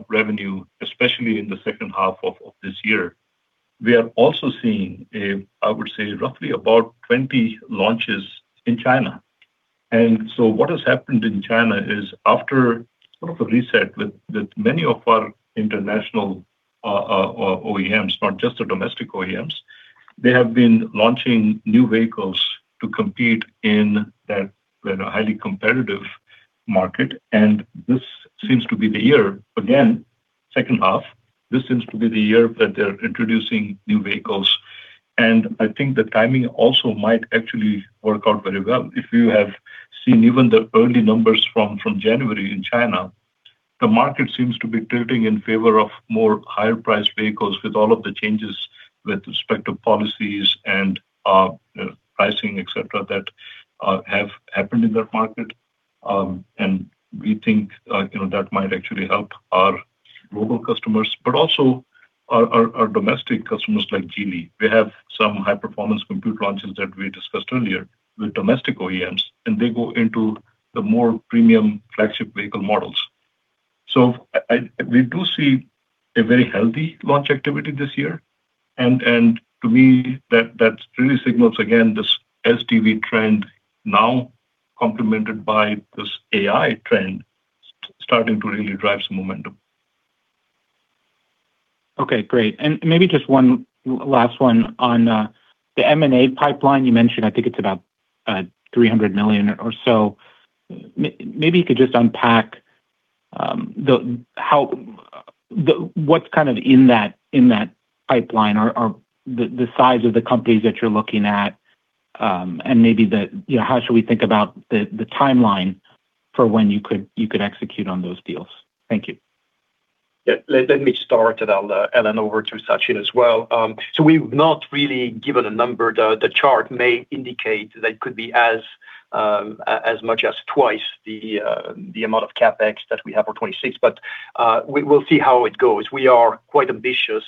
revenue, especially in the second half of, of this year. We are also seeing a, I would say, roughly about 20 launches in China. And so what has happened in China is after sort of a reset with, with many of our international, OEMs, not just the domestic OEMs-... They have been launching new vehicles to compete in that, in a highly competitive market, and this seems to be the year. Again, second half, this seems to be the year that they're introducing new vehicles, and I think the timing also might actually work out very well. If you have seen even the early numbers from January in China, the market seems to be tilting in favor of more higher-priced vehicles with all of the changes with respect to policies and, pricing, et cetera, that have happened in that market. And we think, you know, that might actually help our global customers, but also our domestic customers like Geely. We have some high-performance compute launches that we discussed earlier with domestic OEMs, and they go into the more premium flagship vehicle models. So, we do see a very healthy launch activity this year. And to me, that really signals, again, this SDV trend now complemented by this AI trend starting to really drive some momentum. Okay, great. Maybe just one last one on the M&A pipeline you mentioned. I think it's about $300 million or so. Maybe you could just unpack the how, what's kind of in that pipeline or the size of the companies that you're looking at, and maybe you know, how should we think about the timeline for when you could execute on those deals? Thank you. Yeah. Let me start, and I'll hand over to Sachin as well. So we've not really given a number. The chart may indicate that it could be as much as twice the amount of CapEx that we have for 2026, but we will see how it goes. We are quite ambitious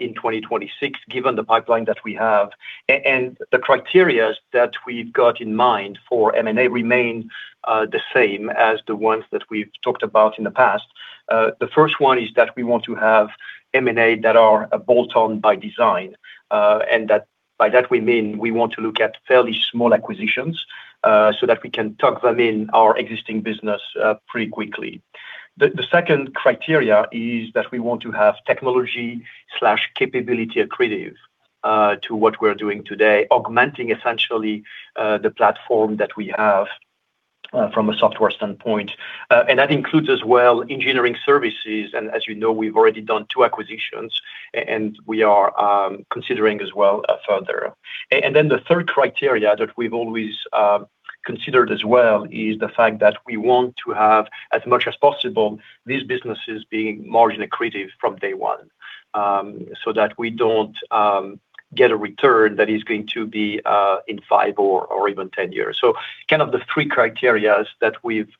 in 2026, given the pipeline that we have. And the criteria that we've got in mind for M&A remain the same as the ones that we've talked about in the past. The first one is that we want to have M&A that are bolt-on by design, and that by that we mean we want to look at fairly small acquisitions, so that we can tuck them in our existing business pretty quickly. The second criteria is that we want to have technology capability accretive to what we're doing today, augmenting essentially the platform that we have from a software standpoint. And that includes as well engineering services, and as you know, we've already done two acquisitions, and we are considering as well a further. And then the third criteria that we've always considered as well is the fact that we want to have, as much as possible, these businesses being margin accretive from day one, so that we don't get a return that is going to be in five or even ten years. So kind of the three criterias that we've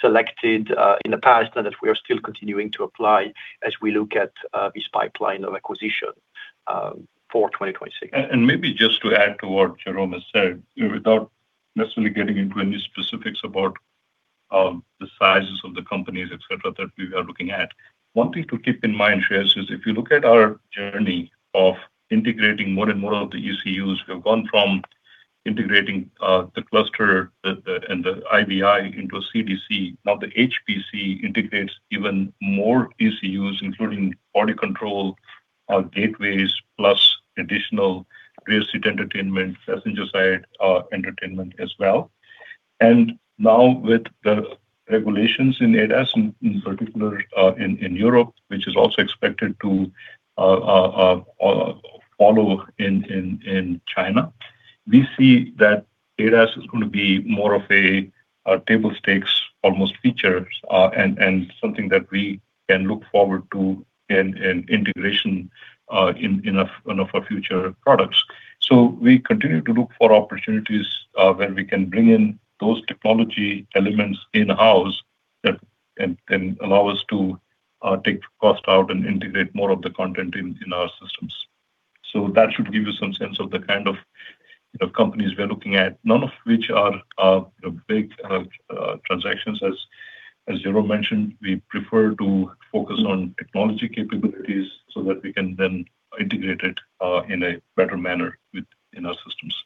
selected in the past and that we are still continuing to apply as we look at this pipeline of acquisition for 2026. And maybe just to add to what Jerome has said, without necessarily getting into any specifics about the sizes of the companies, et cetera, that we are looking at. One thing to keep in mind here is, if you look at our journey of integrating more and more of the ECUs, we have gone from integrating the cluster and the IVI into a CDC. Now, the HPC integrates even more ECUs, including body control gateways, plus additional rear seat entertainment, passenger side entertainment as well. And now with the regulations in ADAS, in particular, in Europe, which is also expected to follow in China, we see that ADAS is going to be more of a table stakes, almost features, and something that we can look forward to in integration in our future products. So we continue to look for opportunities where we can bring in those technology elements in-house that can allow us to take cost out and integrate more of the content in our systems. So that should give you some sense of the kind of, you know, companies we're looking at, none of which are big transactions. As Jerome mentioned, we prefer to focus on technology capabilities so that we can then integrate it in a better manner within our systems.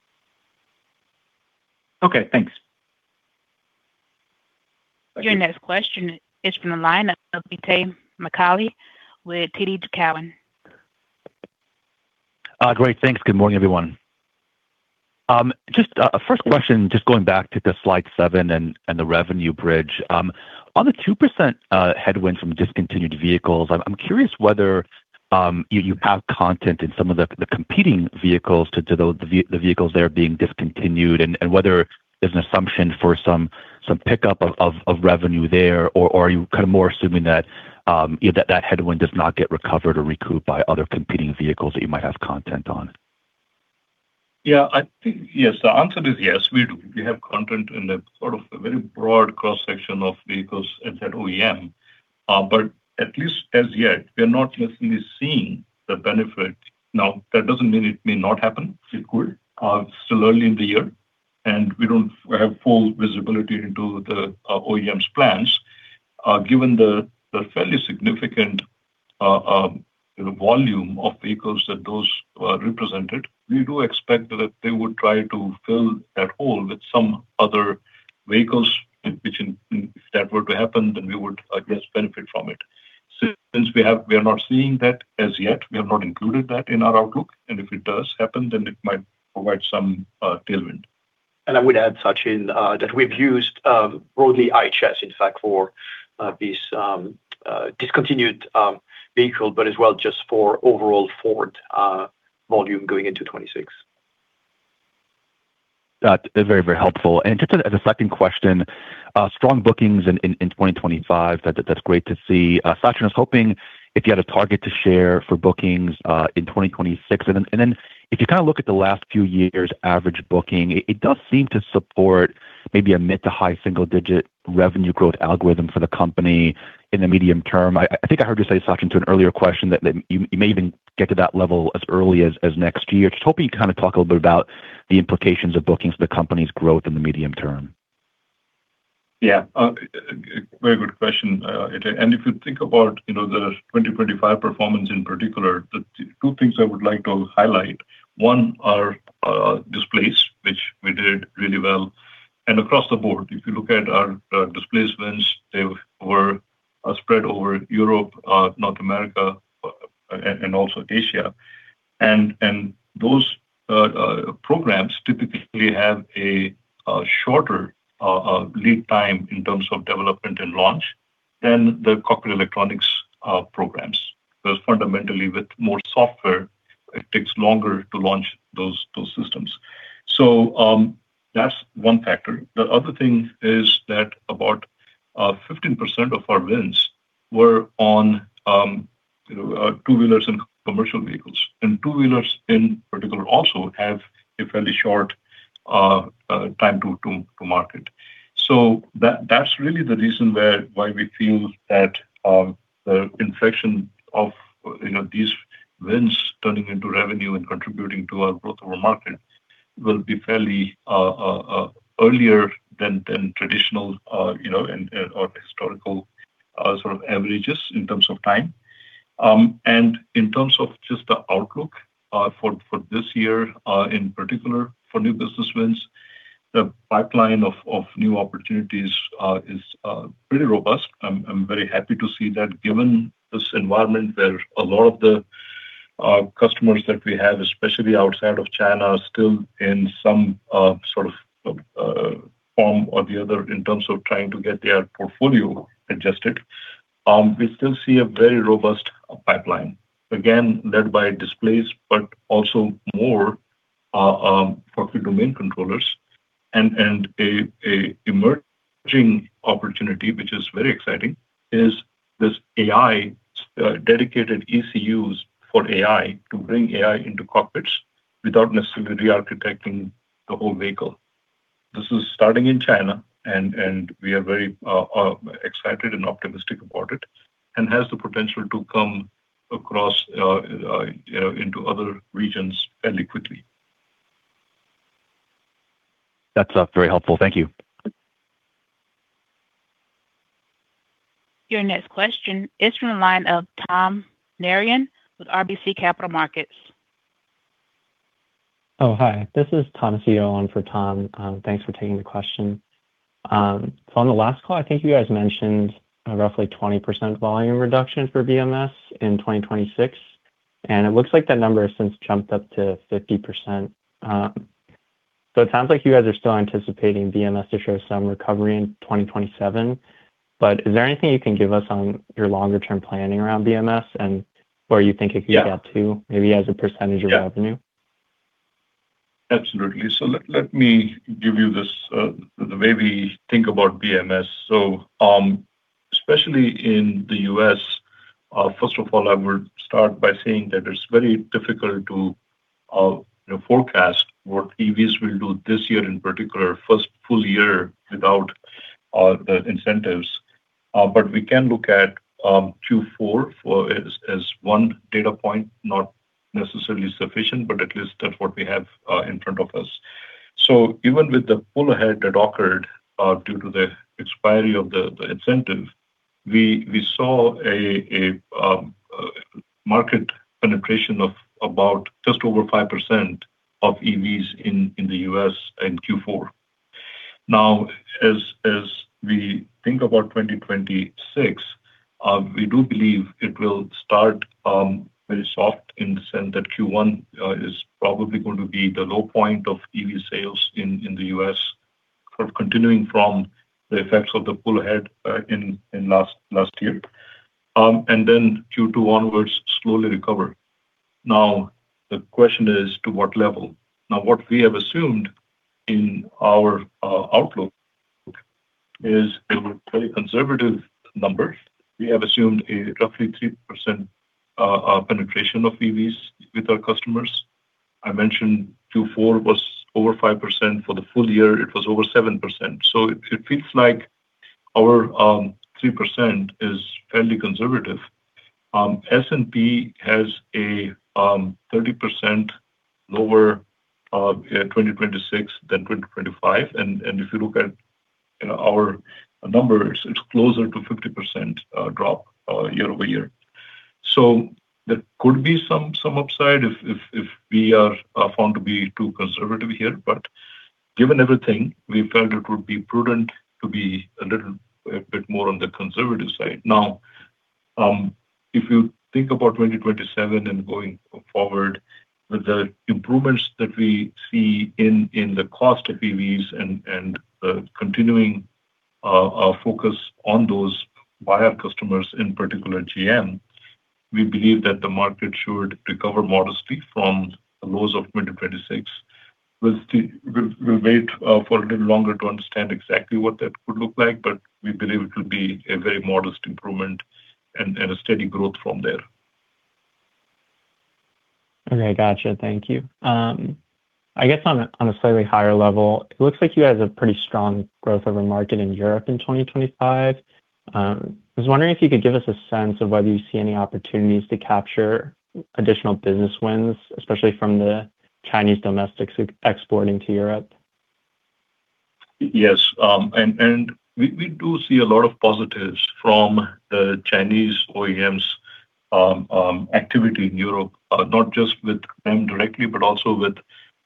Okay, thanks. Your next question is from the line of Itay Michaeli with TD Cowen. Great. Thanks. Good morning, everyone. Just, first question, just going back to the slide seven and the revenue bridge. On the 2%, headwind from discontinued vehicles, I'm curious whether you have content in some of the competing vehicles to the vehicles that are being discontinued, and whether there's an assumption for some pickup of revenue there, or are you kind of more assuming that, you know, that headwind does not get recovered or recouped by other competing vehicles that you might have content on? Yeah, I think, yes. The answer is yes, we do. We have content in a sort of a very broad cross-section of vehicles at that OEM. But at least as yet, we're not necessarily seeing the benefit. Now, that doesn't mean it may not happen. It could. Still early in the year, and we don't have full visibility into the OEM's plans. Given the fairly significant, you know, volume of vehicles that those represented, we do expect that they would try to fill that hole with some other vehicles, and which in, if that were to happen, then we would, I guess, benefit from it. So since we are not seeing that as yet, we have not included that in our outlook, and if it does happen, then it might provide some tailwind. And I would add, Sachin, that we've used broadly IHS, in fact, for these discontinued vehicle, but as well, just for overall Ford volume going into 2026. Got it. Very, very helpful. And just as a second question, strong bookings in 2025, that's great to see. Sachin, I was hoping if you had a target to share for bookings in 2026. And then if you kind of look at the last few years' average booking, it does seem to support maybe a mid to high single-digit revenue growth algorithm for the company in the medium term. I think I heard you say, Sachin, to an earlier question, that you may even get to that level as early as next year. Just hoping you kind of talk a little bit about the implications of bookings for the company's growth in the medium term. Yeah, very good question. And if you think about, you know, the 2025 performance in particular, the two things I would like to highlight, one, are displays, which we did really well. And across the board, if you look at our displacements, they were spread over Europe, North America, and also Asia. And those programs typically have a shorter lead time in terms of development and launch than the cockpit electronics programs. Because fundamentally, with more software, it takes longer to launch those systems. So, that's one factor. The other thing is that about 15% of our wins were on, you know, two-wheelers and commercial vehicles. And two-wheelers in particular also have a fairly short time to market. So that's really the reason why we feel that the inflection of, you know, these wins turning into revenue and contributing to our growth over market will be fairly earlier than traditional, you know, and or historical sort of averages in terms of time. And in terms of just the outlook for this year, in particular for new business wins, the pipeline of new opportunities is pretty robust. I'm very happy to see that given this environment where a lot of the customers that we have, especially outside of China, are still in some sort of form or the other in terms of trying to get their portfolio adjusted. We still see a very robust pipeline, again, led by displays, but also more for domain controllers and an emerging opportunity, which is very exciting, is this AI dedicated ECUs for AI to bring AI into cockpits without necessarily rearchitecting the whole vehicle. This is starting in China, and we are very excited and optimistic about it, and has the potential to come across, you know, into other regions fairly quickly. That's very helpful. Thank you. Your next question is from the line of Tom Narayan with RBC Capital Markets. Oh, hi, this is Thomas, on for Tom. Thanks for taking the question. So on the last call, I think you guys mentioned a roughly 20% volume reduction for BMS in 2026, and it looks like that number has since jumped up to 50%. So it sounds like you guys are still anticipating BMS to show some recovery in 2027, but is there anything you can give us on your longer-term planning around BMS and where you think it could get up to, maybe as a percentage of revenue? Absolutely. So let me give you this, the way we think about BMS. So, especially in the U.S., first of all, I would start by saying that it's very difficult to, you know, forecast what EVs will do this year, in particular, first full year without, the incentives. But we can look at, Q4 as one data point, not necessarily sufficient, but at least that's what we have, in front of us. So even with the pull ahead that occurred, due to the expiry of the, the incentive, we saw a market penetration of about just over 5% of EVs in, the U.S. in Q4. Now, as we think about 2026, we do believe it will start very soft in the sense that Q1 is probably going to be the low point of EV sales in the U.S., sort of continuing from the effects of the pull ahead in last year. And then Q2 onwards, slowly recover. Now, the question is, to what level? Now, what we have assumed in our outlook is a very conservative number. We have assumed a roughly 3% penetration of EVs with our customers. I mentioned Q4 was over 5%. For the full year, it was over 7%. So it feels like our 3% is fairly conservative. S&P has a 30% lower in 2026 than 2025, and if you look at-... You know, our numbers, it's closer to 50% drop year-over-year. So there could be some upside if we are found to be too conservative here. But given everything, we felt it would be prudent to be a little bit more on the conservative side. Now, if you think about 2027 and going forward, with the improvements that we see in the cost of EVs and continuing focus on those buyer customers, in particular GM, we believe that the market should recover modestly from the lows of 2026. We'll wait for a little longer to understand exactly what that could look like, but we believe it will be a very modest improvement and a steady growth from there. Okay, gotcha. Thank you. I guess on a slightly higher level, it looks like you guys have pretty strong growth over market in Europe in 2025. I was wondering if you could give us a sense of whether you see any opportunities to capture additional business wins, especially from the Chinese domestics exporting to Europe. Yes, and we do see a lot of positives from the Chinese OEMs activity in Europe, not just with them directly, but also with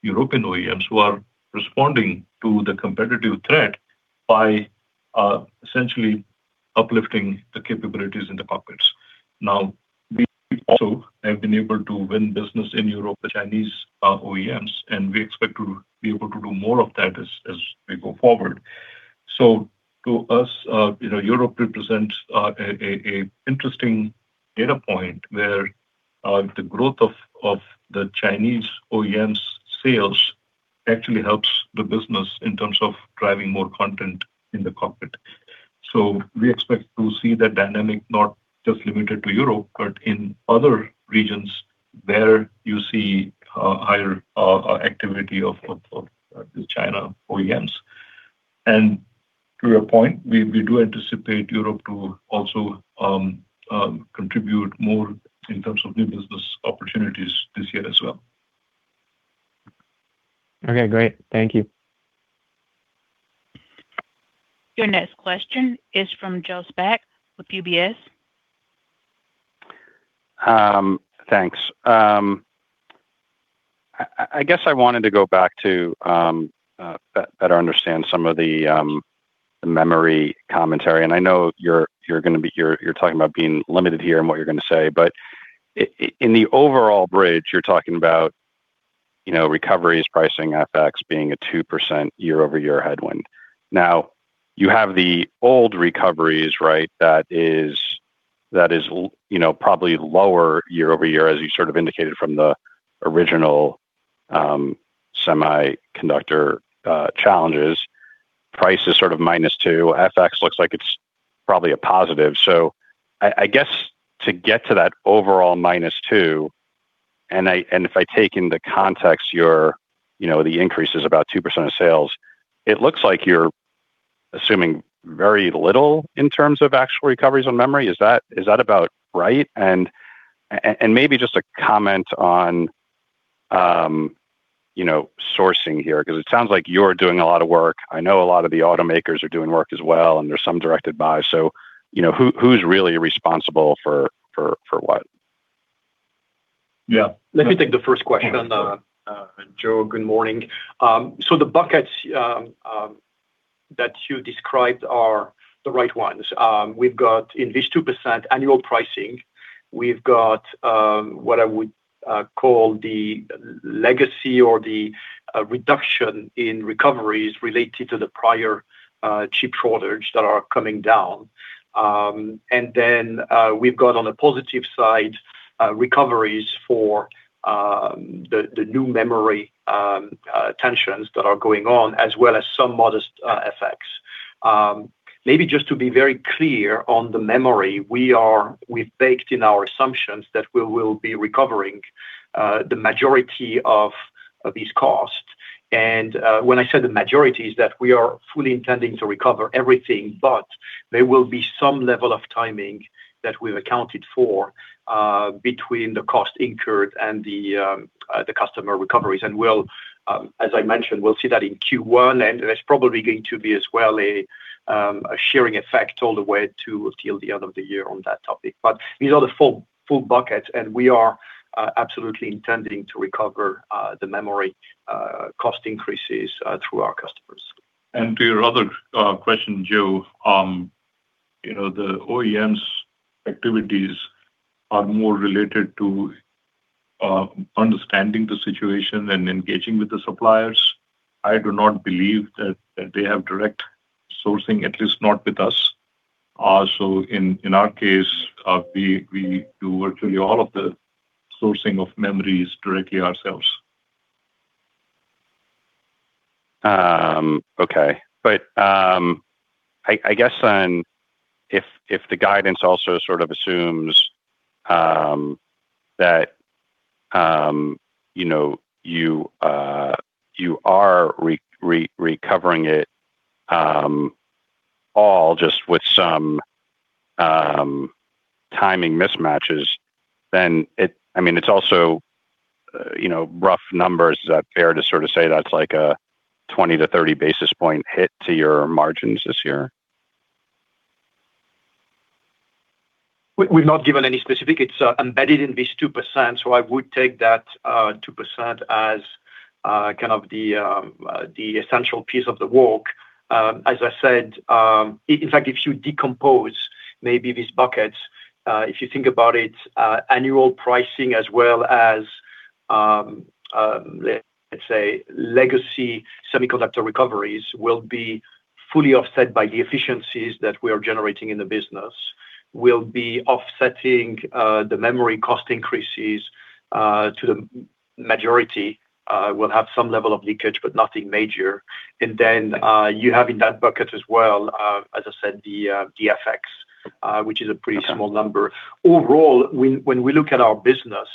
European OEMs who are responding to the competitive threat by essentially uplifting the capabilities in the cockpits. Now, we also have been able to win business in Europe, the Chinese OEMs, and we expect to be able to do more of that as we go forward. So to us, you know, Europe represents an interesting data point where the growth of the Chinese OEMs sales actually helps the business in terms of driving more content in the cockpit. So we expect to see that dynamic, not just limited to Europe, but in other regions where you see higher activity of the China OEMs. To your point, we do anticipate Europe to also contribute more in terms of new business opportunities this year as well. Okay, great. Thank you. Your next question is from Joe Spak with UBS. Thanks. I guess I wanted to go back to better understand some of the memory commentary. And I know you're gonna be talking about being limited here in what you're gonna say, but I—in the overall bridge, you're talking about, you know, recoveries, pricing, FX, being a 2% year-over-year headwind. Now, you have the old recoveries, right? That is, you know, probably lower year-over-year, as you sort of indicated from the original semiconductor challenges. Price is sort of minus 2%. FX looks like it's probably a positive. So I guess to get to that overall -2%, and if I take in the context your, you know, the increase is about 2% of sales, it looks like you're assuming very little in terms of actual recoveries on memory. Is that about right? And maybe just a comment on, you know, sourcing here, 'cause it sounds like you're doing a lot of work. I know a lot of the automakers are doing work as well, and there's some directed buy. So, you know, who who's really responsible for what? Yeah. Let me take the first question. Joe, good morning. So the buckets that you described are the right ones. We've got in this 2% annual pricing, we've got what I would call the legacy or the reduction in recoveries related to the prior chip shortage that are coming down. And then we've got, on the positive side, recoveries for the new memory tensions that are going on, as well as some modest effects. Maybe just to be very clear on the memory, we are—we've baked in our assumptions that we will be recovering the majority of these costs. When I say the majority, is that we are fully intending to recover everything, but there will be some level of timing that we've accounted for between the cost incurred and the customer recoveries. We'll, as I mentioned, we'll see that in Q1, and there's probably going to be as well, a shearing effect all the way to till the end of the year on that topic. But these are the full, full buckets, and we are absolutely intending to recover the memory cost increases through our customers. To your other question, Joe, you know, the OEM's activities are more related to understanding the situation and engaging with the suppliers. I do not believe that they have direct sourcing, at least not with us. Also, in our case, we do virtually all of the sourcing of memories directly ourselves. Okay. But I guess then, if the guidance also sort of assumes that you know you are recovering it all just with some timing mismatches, then it—I mean, it's also you know, rough numbers, is that fair to sort of say that's like a 20-30 basis point hit to your margins this year? We've not given any specific. It's embedded in this 2%, so I would take that 2% as kind of the essential piece of the work. As I said, in fact, if you decompose maybe these buckets, if you think about it, annual pricing as well as let's say legacy semiconductor recoveries will be fully offset by the efficiencies that we are generating in the business. We'll be offsetting the memory cost increases to the majority will have some level of leakage, but nothing major. And then you have in that bucket as well, as I said, the FX, which is a pretty small number. Overall, when we look at our business,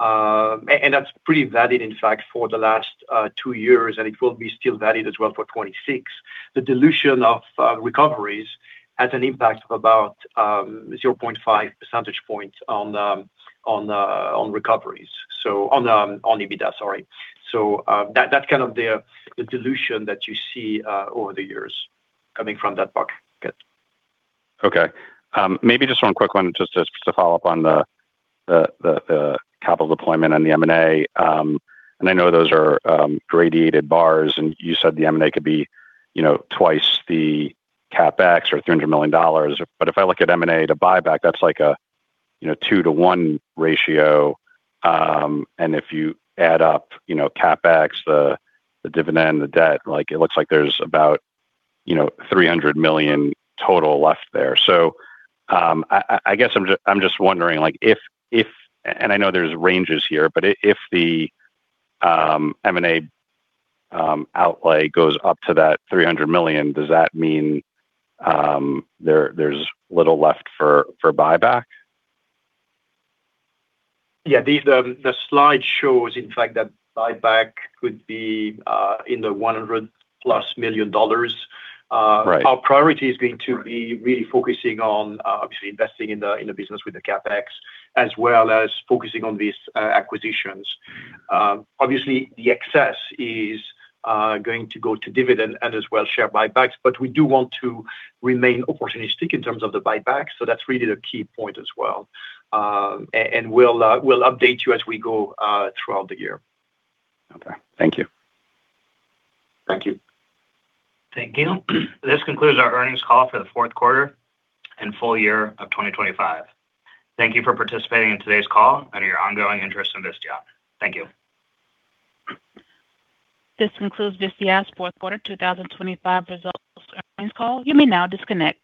and that's pretty valid, in fact, for the last two years, and it will be still valid as well for 2026. The dilution of recoveries has an impact of about 0.5 percentage points on the recoveries. So on the EBITDA, sorry. So, that's kind of the dilution that you see over the years coming from that bucket. Okay. Maybe just one quick one, just to follow up on the capital deployment and the M&A. And I know those are graduated bars, and you said the M&A could be, you know, twice the CapEx or $300 million. But if I look at M&A to buyback, that's like a, you know, 2-to-1 ratio. And if you add up, you know, CapEx, the dividend, the debt, like, it looks like there's about, you know, $300 million total left there. So, I guess I'm just wondering, like, if, and I know there's ranges here, but if the M&A outlay goes up to that $300 million, does that mean, there's little left for buyback? Yeah, the slide shows, in fact, that buyback could be in the $100+ million. Right. Our priority is going to be really focusing on, obviously, investing in the business with the CapEx, as well as focusing on these acquisitions. Obviously, the excess is going to go to dividend and as well share buybacks, but we do want to remain opportunistic in terms of the buyback, so that's really the key point as well. And we'll update you as we go throughout the year. Okay. Thank you. Thank you. Thank you. This concludes our earnings call for the fourth quarter and full year of 2025. Thank you for participating in today's call and your ongoing interest in Visteon. Thank you. This concludes Visteon's fourth quarter, 2025 results earnings call. You may now disconnect.